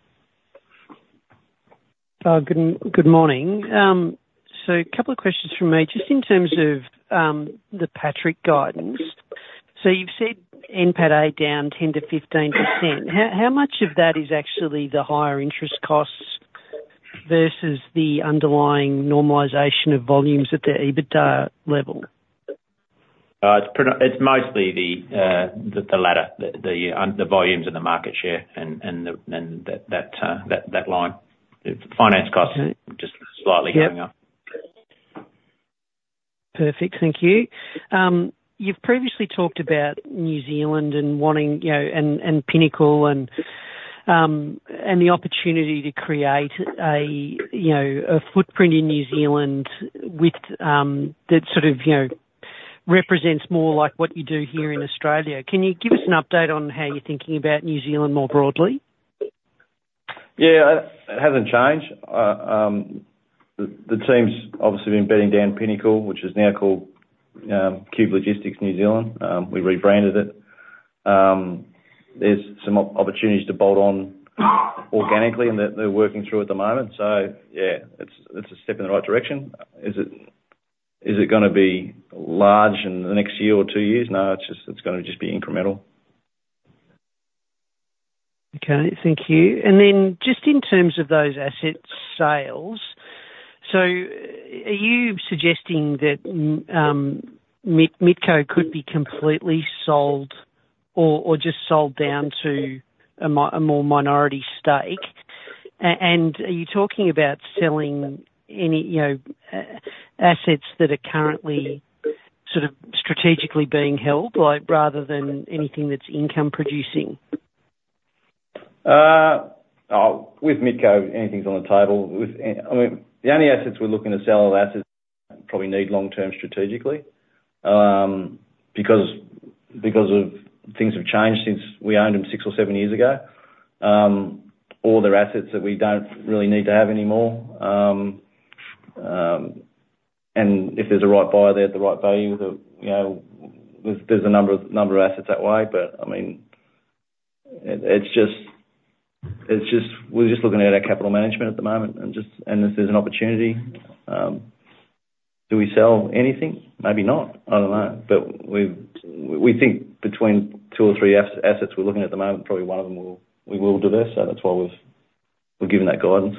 Good morning. So a couple of questions from me, just in terms of the Patrick guidance. You've said NPAT-A down 10%-15%. How much of that is actually the higher interest costs versus the underlying normalization of volumes at the EBITDA level? It's mostly the latter, the volumes and the market share and that line. Finance costs- Okay. Just slightly going up. Perfect. Thank you. You've previously talked about New Zealand and wanting, you know, and Pinnacle and the opportunity to create a, you know, a footprint in New Zealand with that sort of, you know, represents more like what you do here in Australia. Can you give us an update on how you're thinking about New Zealand more broadly? Yeah, it hasn't changed. The team's obviously been bedding down Pinnacle, which is now called Qube Logistics New Zealand. We rebranded it. There's some opportunities to bolt on organically and that they're working through at the moment. So yeah, it's a step in the right direction. Is it gonna be large in the next year or two years? No, it's just gonna just be incremental. Okay. Thank you. And then just in terms of those asset sales, so are you suggesting that, MITCO could be completely sold or, or just sold down to a more minority stake? And are you talking about selling any, you know, assets that are currently sort of strategically being held, like, rather than anything that's income producing? With MITCO, anything's on the table. I mean, the only assets we're looking to sell are assets probably need long-term strategically, because of things have changed since we owned them six or seven years ago. All their assets that we don't really need to have anymore. And if there's a right buyer there at the right value, you know, a number of assets that way. But I mean, we're just looking at our capital management at the moment, and if there's an opportunity, do we sell anything? Maybe not. I don't know. But we think between two or three assets we're looking at the moment, probably one of them will, we will divest. So that's why we're giving that guidance.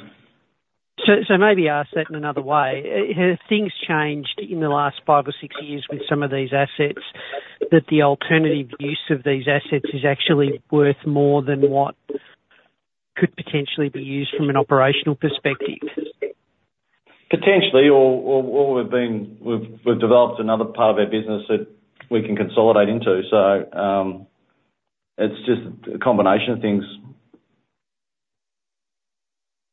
Maybe ask that in another way. Have things changed in the last five or six years with some of these assets, that the alternative use of these assets is actually worth more than what could potentially be used from an operational perspective? Potentially, or we've developed another part of our business that we can consolidate into. So, it's just a combination of things.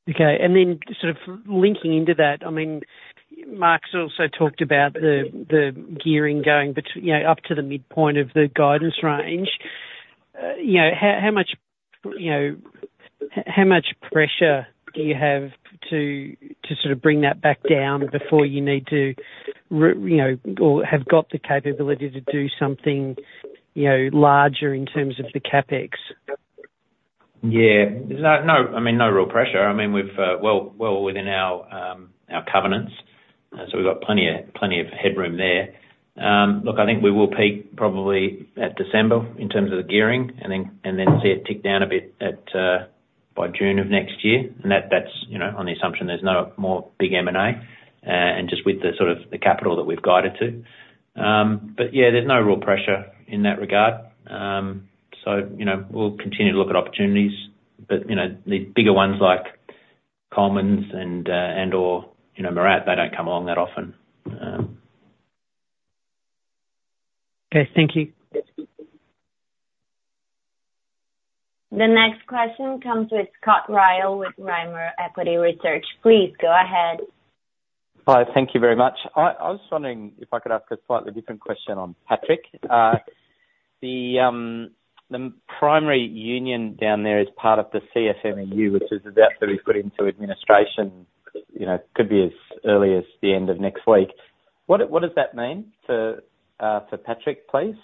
Okay. And then sort of linking into that, I mean, Mark's also talked about the gearing going, you know, up to the midpoint of the guidance range. You know, how much pressure do you have to sort of bring that back down before you need to, you know, or have got the capability to do something larger in terms of the CapEx? Yeah. No, no, I mean, no real pressure. I mean, we've well within our covenants, so we've got plenty of headroom there. Look, I think we will peak probably at December in terms of the gearing, and then see it tick down a bit by June of next year. And that, that's, you know, on the assumption there's no more big M&A, and just with the sort of the capital that we've guided to. But yeah, there's no real pressure in that regard. So, you know, we'll continue to look at opportunities, but, you know, the bigger ones like Colemans and and/or, you know, MIRRAT, they don't come along that often. Okay, thank you. The next question comes with Scott Ryall with Rimor Equity Research. Please, go ahead. Hi, thank you very much. I was just wondering if I could ask a slightly different question on Patrick. The primary union down there is part of the CFMEU, which is about to be put into administration, you know, could be as early as the end of next week. What does that mean for Patrick, please?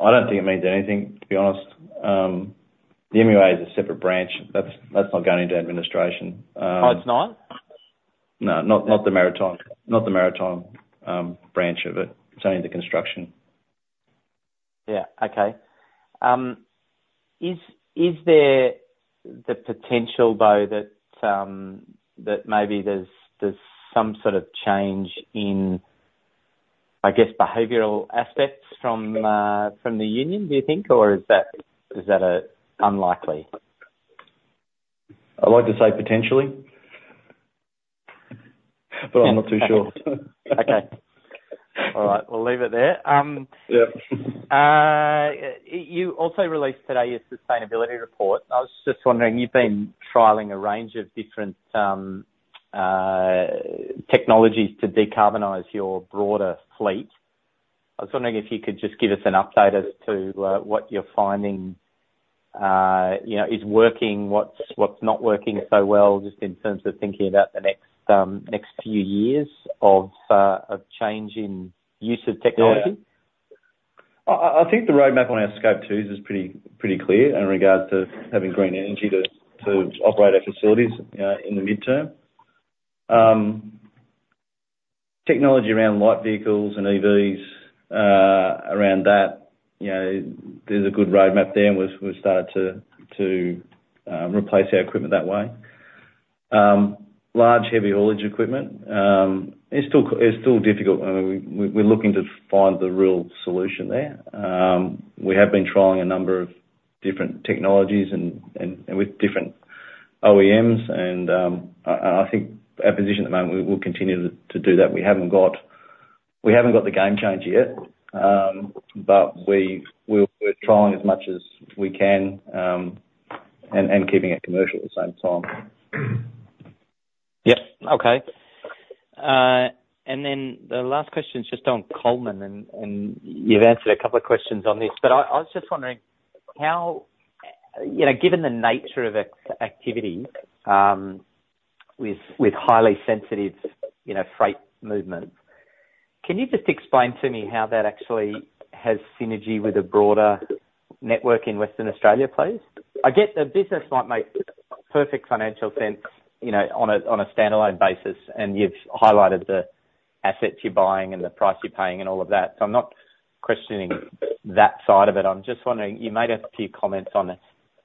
I don't think it means anything, to be honest. The MUA is a separate branch. That's not going into administration. Oh, it's not? No, not the maritime branch of it. It's only the construction. Yeah. Okay. Is there the potential, though, that maybe there's some sort of change in, I guess, behavioral aspects from the union, do you think? Or is that unlikely? I'd like to say potentially, but I'm not too sure. Okay. All right. We'll leave it there. Yeah. You also released today your sustainability report. I was just wondering, you've been trialing a range of different technologies to decarbonize your broader fleet. I was wondering if you could just give us an update as to what you're finding, you know, is working, what's not working so well, just in terms of thinking about the next few years of change in use of technology? Yeah. I think the roadmap on our scope twos is pretty clear in regards to having green energy to operate our facilities in the midterm. Technology around light vehicles and EVs, around that, you know, there's a good roadmap there, and we've started to replace our equipment that way. Large, heavy haulage equipment, it's still difficult. I mean, we're looking to find the real solution there. We have been trialing a number of different technologies and with different OEMs, and I think our position at the moment, we will continue to do that. We haven't got the game changer yet, but we're trying as much as we can, and keeping it commercial at the same time. Yep. Okay, and then the last question is just on Colemans, and you've answered a couple of questions on this, but I was just wondering how... You know, given the nature of activity, with highly sensitive, you know, freight movement, can you just explain to me how that actually has synergy with the broader network in Western Australia, please? I get the business might make perfect financial sense, you know, on a standalone basis, and you've highlighted the assets you're buying and the price you're paying and all of that, so I'm not questioning that side of it. I'm just wondering, you made a few comments on it,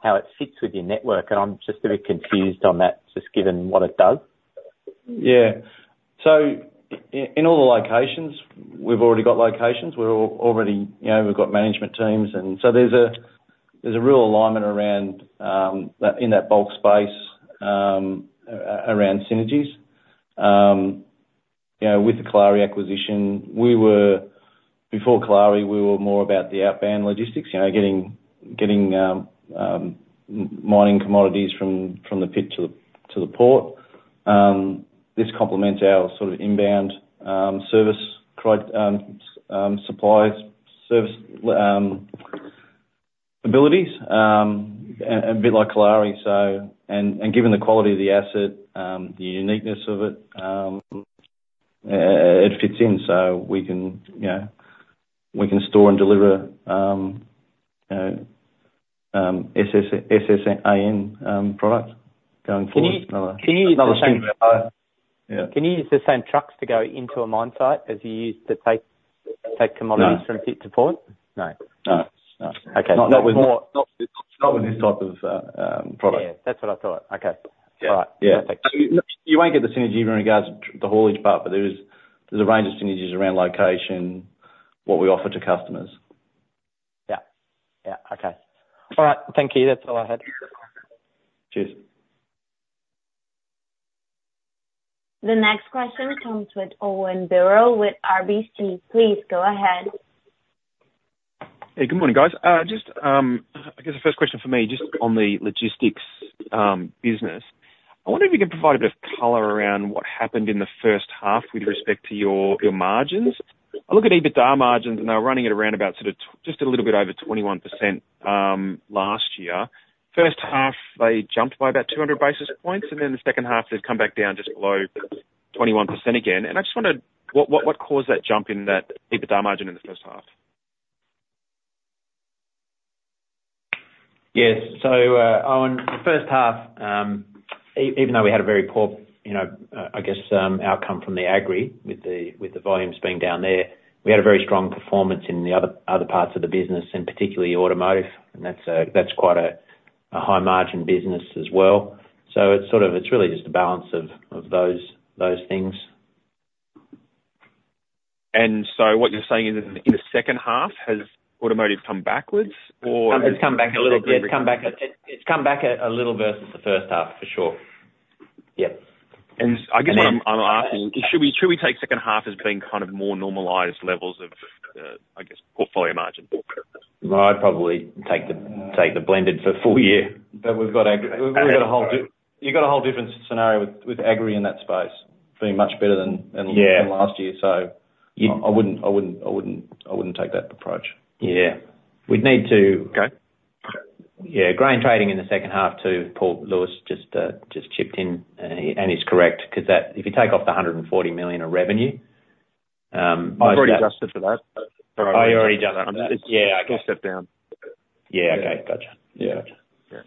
how it fits with your network, and I'm just a bit confused on that, just given what it does. Yeah. So in all the locations, we've already got locations. We're already, you know, we've got management teams, and so there's a real alignment around that, in that bulk space, around synergies. You know, with the Kalari acquisition, we were before Kalari, we were more about the outbound logistics, you know, getting mining commodities from the pit to the port. This complements our sort of inbound supplies, service abilities, a bit like Kalari. So, and given the quality of the asset, the uniqueness of it, it fits in so we can, you know, we can store and deliver SSAN products going forward. Can you use the same- Yeah. Can you use the same trucks to go into a mine site as you use to take commodities- No. From pit to port? No. No. No. Okay. Not with this type of product. Yeah, that's what I thought. Okay. Yeah. All right. Yeah. Perfect. You won't get the synergy in regards to the haulage part, but there's a range of synergies around location, what we offer to customers. Yeah. Yeah, okay. All right, thank you. That's all I had. Cheers! The next question comes with Owen Birrell with RBC. Please go ahead. Hey, good morning, guys. Just, I guess the first question for me, just on the logistics business, I wonder if you can provide a bit of color around what happened in the first half with respect to your margins? I look at EBITDA margins, and they were running at around about just a little bit over 21%, last year. First half, they jumped by about 200 basis points, and then in the second half, they've come back down just below 21% again. I just wondered, what caused that jump in that EBITDA margin in the first half? Yes. So, Owen, the first half, even though we had a very poor, you know, I guess, outcome from the agri, with the volumes being down there, we had a very strong performance in the other parts of the business, and particularly automotive, and that's quite a high-margin business as well. So it's sort of, it's really just a balance of those things. And so what you're saying is, in the second half, has automotive come backwards, or- It's come back a little bit. It's come back a little versus the first half, for sure. Yeah. I guess what I'm asking, should we take second half as being kind of more normalized levels of the, I guess, portfolio margin? I'd probably take the blended for full year. But we've got agri- Okay. We've got a whole different scenario with agri in that space being much better than. Yeah... than last year. So I wouldn't take that approach. Yeah. We'd need to- Okay. Yeah, grain trading in the second half too, Paul Lewis just chipped in, and he's correct, 'cause that—if you take off 140 million of revenue, I've already adjusted for that. I already done that. Yeah, I guess. Step down. Yeah. Okay. Gotcha. Yeah. Gotcha. Yeah.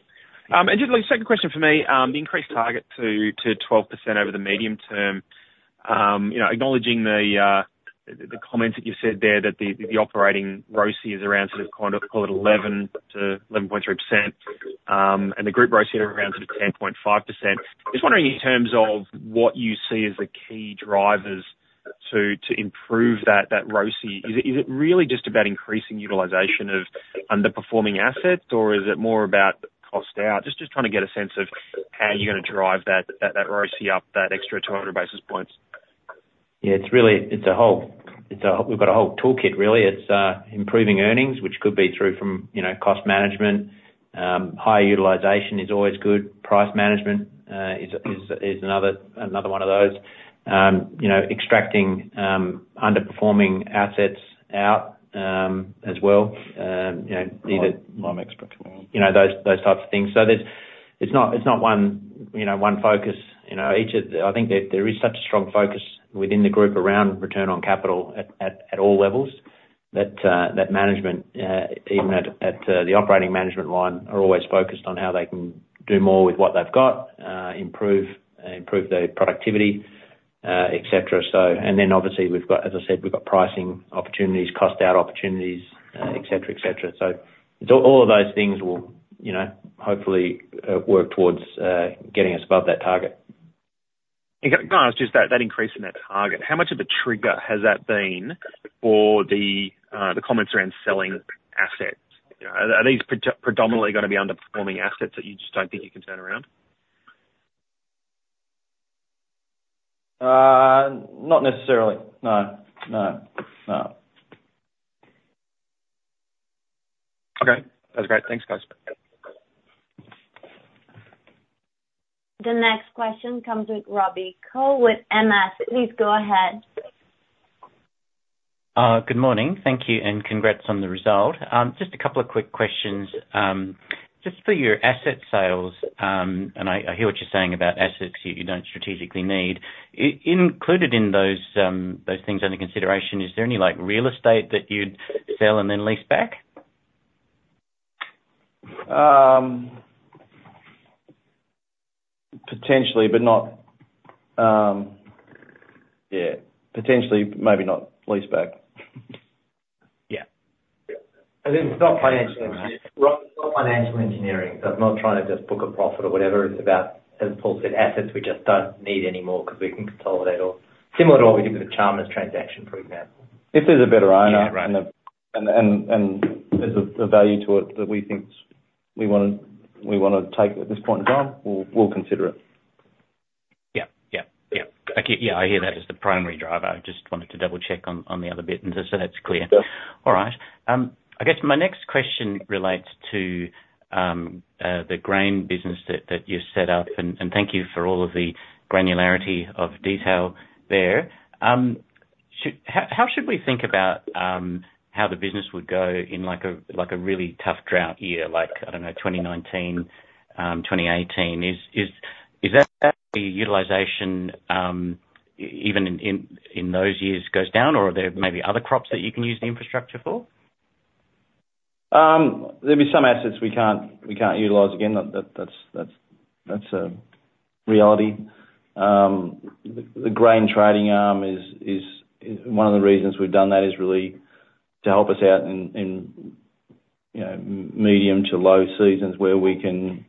And just the second question for me, the increased target to 12% over the medium term, you know, acknowledging the comments that you've said there, that the operating ROCE is around sort of call it 11%-11.3%, and the group ROCE is around sort of 10.5%. Just wondering, in terms of what you see as the key drivers to improve that ROCE, is it, is it really just about increasing utilization of underperforming assets, or is it more about cost out? Just trying to get a sense of how you're gonna drive that ROCE up, that extra 200 basis points. Yeah, it's really. We've got a whole toolkit, really. It's improving earnings, which could be through from, you know, cost management. Higher utilization is always good. Price management is another one of those. You know, extracting underperforming assets out, as well, you know, either. IMEX. You know, those types of things. So there's. It's not one, you know, one focus, you know, each of the. I think there is such a strong focus within the group around return on capital at all levels that management even at the operating management line are always focused on how they can do more with what they've got, improve their productivity, et cetera. So. And then obviously, we've got, as I said, we've got pricing opportunities, cost out opportunities, et cetera, et cetera. So it's all of those things will, you know, hopefully work towards getting us above that target. Okay. No, it's just that increase in that target, how much of a trigger has that been for the comments around selling assets? You know, are these predominantly gonna be underperforming assets that you just don't think you can turn around? Not necessarily. No. No. No. Okay. That's great. Thanks, guys. The next question comes with Robbie Koh with MS. Please go ahead. Good morning. Thank you, and congrats on the result. Just a couple of quick questions. Just for your asset sales, and I hear what you're saying about assets you don't strategically need. Included in those things under consideration, is there any, like, real estate that you'd sell and then lease back? Potentially, but not... Yeah. Potentially, maybe not leaseback. Yeah. Yeah. And it's not financial engineering. It's not financial engineering, so I'm not trying to just book a profit or whatever. It's about, as Paul said, assets we just don't need anymore 'cause we can consolidate, or similar to what we did with the Chalmers transaction, for example. If there's a better owner- Yeah, right. And there's a value to it that we think we wanna take at this point in time. We'll consider it. Yeah, I hear that as the primary driver. I just wanted to double-check on the other bit, and just so that's clear. Sure. All right. I guess my next question relates to the grain business that you've set up, and thank you for all of the granularity of detail there. How should we think about how the business would go in like a really tough drought year, like, I don't know, 2019, 2018? Is that the utilization even in those years goes down, or are there maybe other crops that you can use the infrastructure for? There'll be some assets we can't utilize. Again, that's a reality. The grain trading arm is one of the reasons we've done that is really to help us out in, you know, medium to low seasons, where we can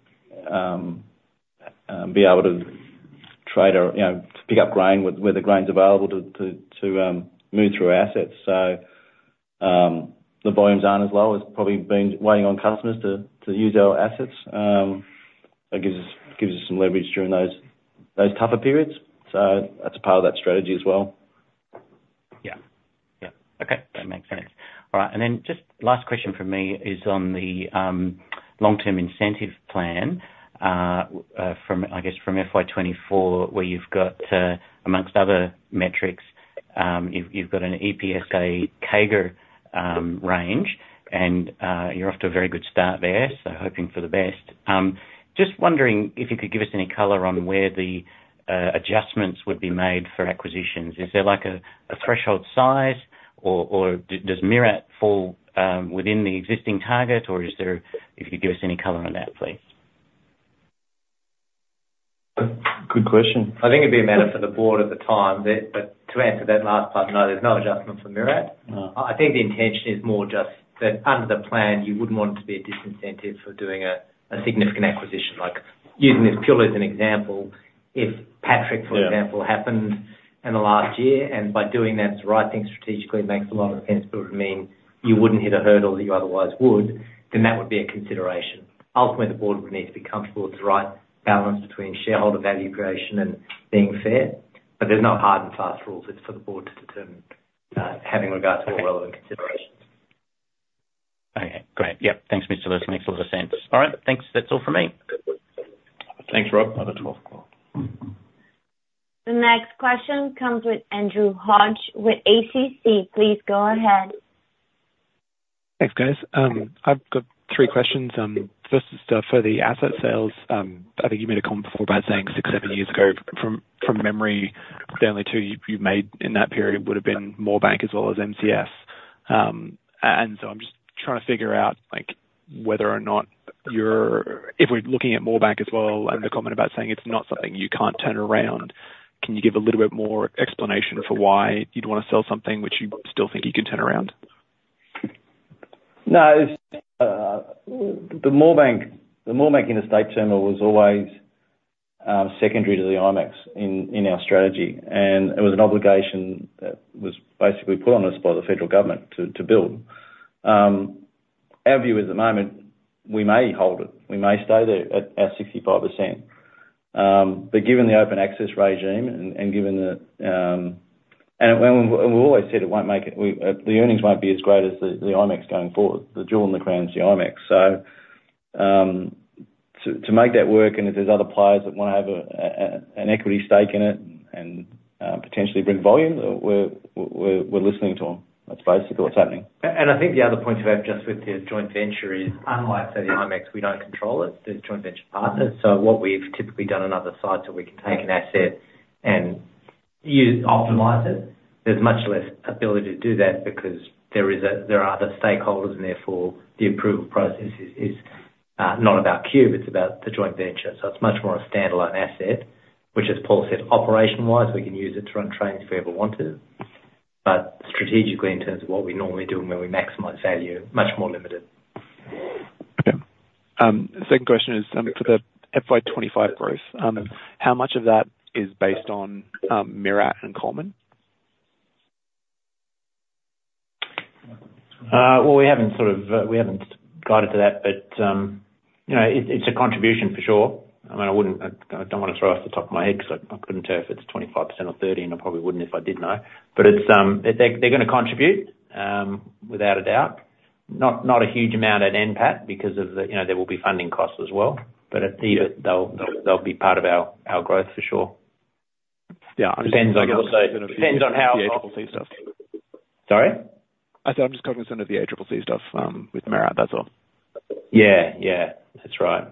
be able to trade or, you know, pick up grain where the grain's available to move through our assets. So, the volumes aren't as low as probably been waiting on customers to use our assets. It gives us some leverage during those tougher periods, so that's a part of that strategy as well. Yeah. Yeah. Okay, that makes sense. All right, and then just last question from me is on the long-term incentive plan from, I guess, FY 2024, where you've got, among other metrics, you've got an EPSA CAGR range, and you're off to a very good start there, so hoping for the best. Just wondering if you could give us any color on where the adjustments would be made for acquisitions. Is there like a threshold size or does MIRRAT fall within the existing target? Or is there... If you could give us any color on that, please. Good question. I think it'd be a matter for the board at the time there, but to answer that last part, no, there's no adjustments for MIRRAT. I think the intention is more just that under the plan, you wouldn't want it to be a disincentive for doing a significant acquisition. Like using this purely as an example, if Patrick, for example happened in the last year, and by doing that, the right thing strategically makes a lot of sense, but it would mean you wouldn't hit a hurdle that you otherwise would, then that would be a consideration. Ultimately, the board would need to be comfortable it's the right balance between shareholder value creation and being fair, but there's no hard and fast rules. It's for the board to determine, having regard to all relevant considerations. Okay, great. Yep. Thanks, Mr. Lewis. Makes a lot of sense. All right, thanks. That's all for me. Thanks, Rob. The next question comes with Andrew Hodge with ACC. Please go ahead. Thanks, guys. I've got three questions. First is, for the asset sales, I think you made a comment before about saying six, seven years ago, from memory, the only two you made in that period would have been Moorebank as well as MCS. And so I'm just trying to figure out, like, whether or not you're, if we're looking at Moorebank as well, and the comment about saying it's not something you can't turn around, can you give a little bit more explanation for why you'd wanna sell something which you still think you can turn around? No. The Moorebank, the Moorebank Interstate Terminal was always secondary to the IMEX in our strategy, and it was an obligation that was basically put on us by the federal government to build. Our view at the moment, we may hold it. We may stay there at 65%. But given the open access regime and given that, we've always said it won't make it. We, the earnings won't be as great as the IMEX going forward. The jewel in the crown is the IMEX. So, to make that work, and if there's other players that wanna have a an equity stake in it and potentially bring volume, we're listening to them. That's basically what's happening. I think the other point to make just with the joint venture is, unlike, say, the IMEX, we don't control it. There's joint venture partners. So what we've typically done on other sites is we can take an asset and use, optimize it. There's much less ability to do that because there are other stakeholders, and therefore, the approval process is not about Qube, it's about the joint venture. So it's much more a standalone asset, which, as Paul said, operation-wise, we can use it to run trains if we ever wanted, but strategically, in terms of what we normally do and where we maximize value, much more limited. Okay. Second question is, for the FY 2025 growth, how much of that is based on, MIRRAT and Colemans? Well, we haven't sort of, we haven't guided to that, but, you know, it's a contribution for sure. I mean, I wouldn't. I don't wanna throw off the top of my head because I couldn't tell if it's 25% or 30%, and I probably wouldn't if I did know. But it's, they're gonna contribute, without a doubt. Not a huge amount at NPAT, because of the, you know, there will be funding costs as well. But they'll be part of our growth for sure. Depends on how- Sorry? I said I'm just cognizant of the ACCC stuff with MIRRAT, that's all. Yeah, yeah. That's right. Yeah,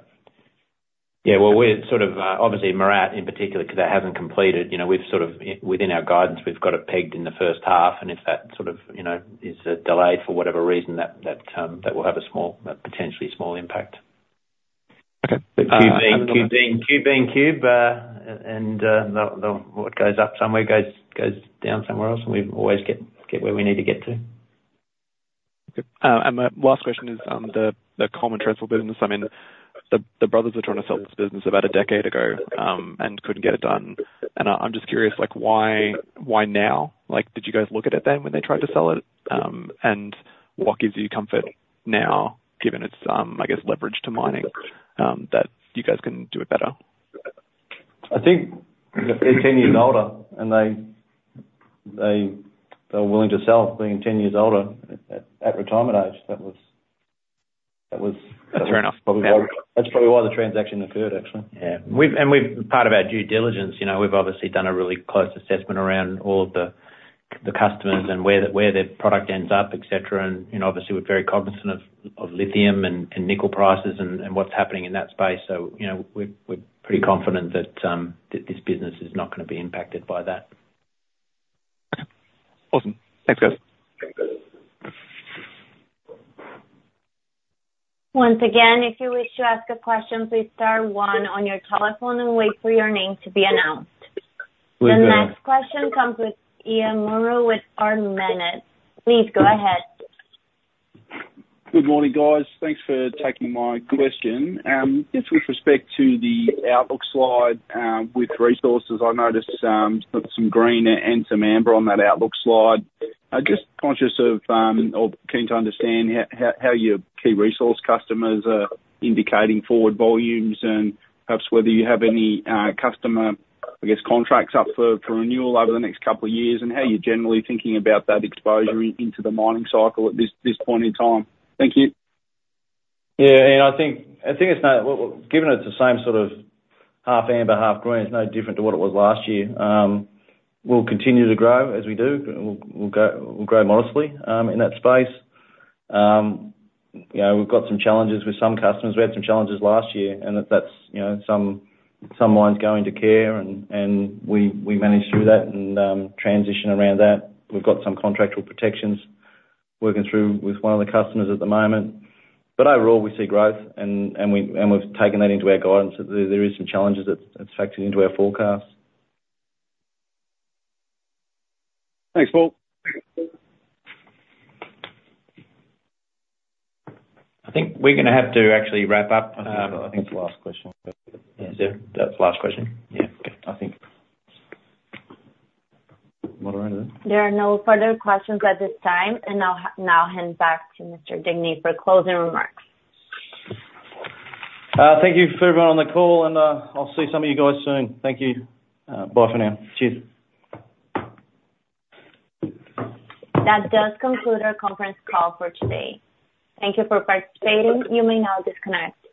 well, we're sort of obviously MIRRAT in particular, because that hasn't completed, you know, we've sort of within our guidance, we've got it pegged in the first half, and if that sort of, you know, is delayed for whatever reason, that will have a potentially small impact. Okay. Qube being Qube, and the what goes up somewhere goes down somewhere else, and we always get where we need to get to. ..And my last question is, the Colemans transport business. I mean, the brothers were trying to sell this business about a decade ago, and couldn't get it done, and I'm just curious, like, why now? Like, did you guys look at it then when they tried to sell it? And what gives you comfort now, given its, I guess, leverage to mining, that you guys can do it better? I think they're 10 years older, and they were willing to sell, being 10 years older, at retirement age. That was- Fair enough. That's probably why the transaction occurred, actually. Yeah. And we've... Part of our due diligence, you know, we've obviously done a really close assessment around all of the customers and where their product ends up, et cetera, and, you know, obviously, we're very cognizant of lithium and nickel prices and what's happening in that space. So, you know, we're pretty confident that this business is not gonna be impacted by that. Awesome. Thanks, guys. Once again, if you wish to ask a question, please star one on your telephone and wait for your name to be announced. The next question comes with Ian Munro with Ord Minnett. Please go ahead. Good morning, guys. Thanks for taking my question. Just with respect to the outlook slide, with resources, I noticed some green and some amber on that outlook slide. Just conscious of, or keen to understand how your key resource customers are indicating forward volumes, and perhaps whether you have any customer, I guess, contracts up for renewal over the next couple of years, and how you're generally thinking about that exposure into the mining cycle at this point in time. Thank you. Yeah, and I think it's not. Given it's the same sort of half amber, half green, it's no different to what it was last year. We'll continue to grow as we do. We'll grow modestly in that space. You know, we've got some challenges with some customers. We had some challenges last year, and that's, you know, some mines going to closure, and we managed through that and transitioned around that. We've got some contractual protections working through with one of the customers at the moment. But overall, we see growth and we've taken that into our guidance. There is some challenges that's factored into our forecast. Thanks, Paul. I think we're gonna have to actually wrap up. I think that's the last question. Yeah. That's the last question? Yeah. Okay. I think. There are no further questions at this time, and I'll now hand back to Mr. Digney for closing remarks. Thank you for everyone on the call, and I'll see some of you guys soon. Thank you. Bye for now. Cheers. That does conclude our conference call for today. Thank you for participating. You may now disconnect.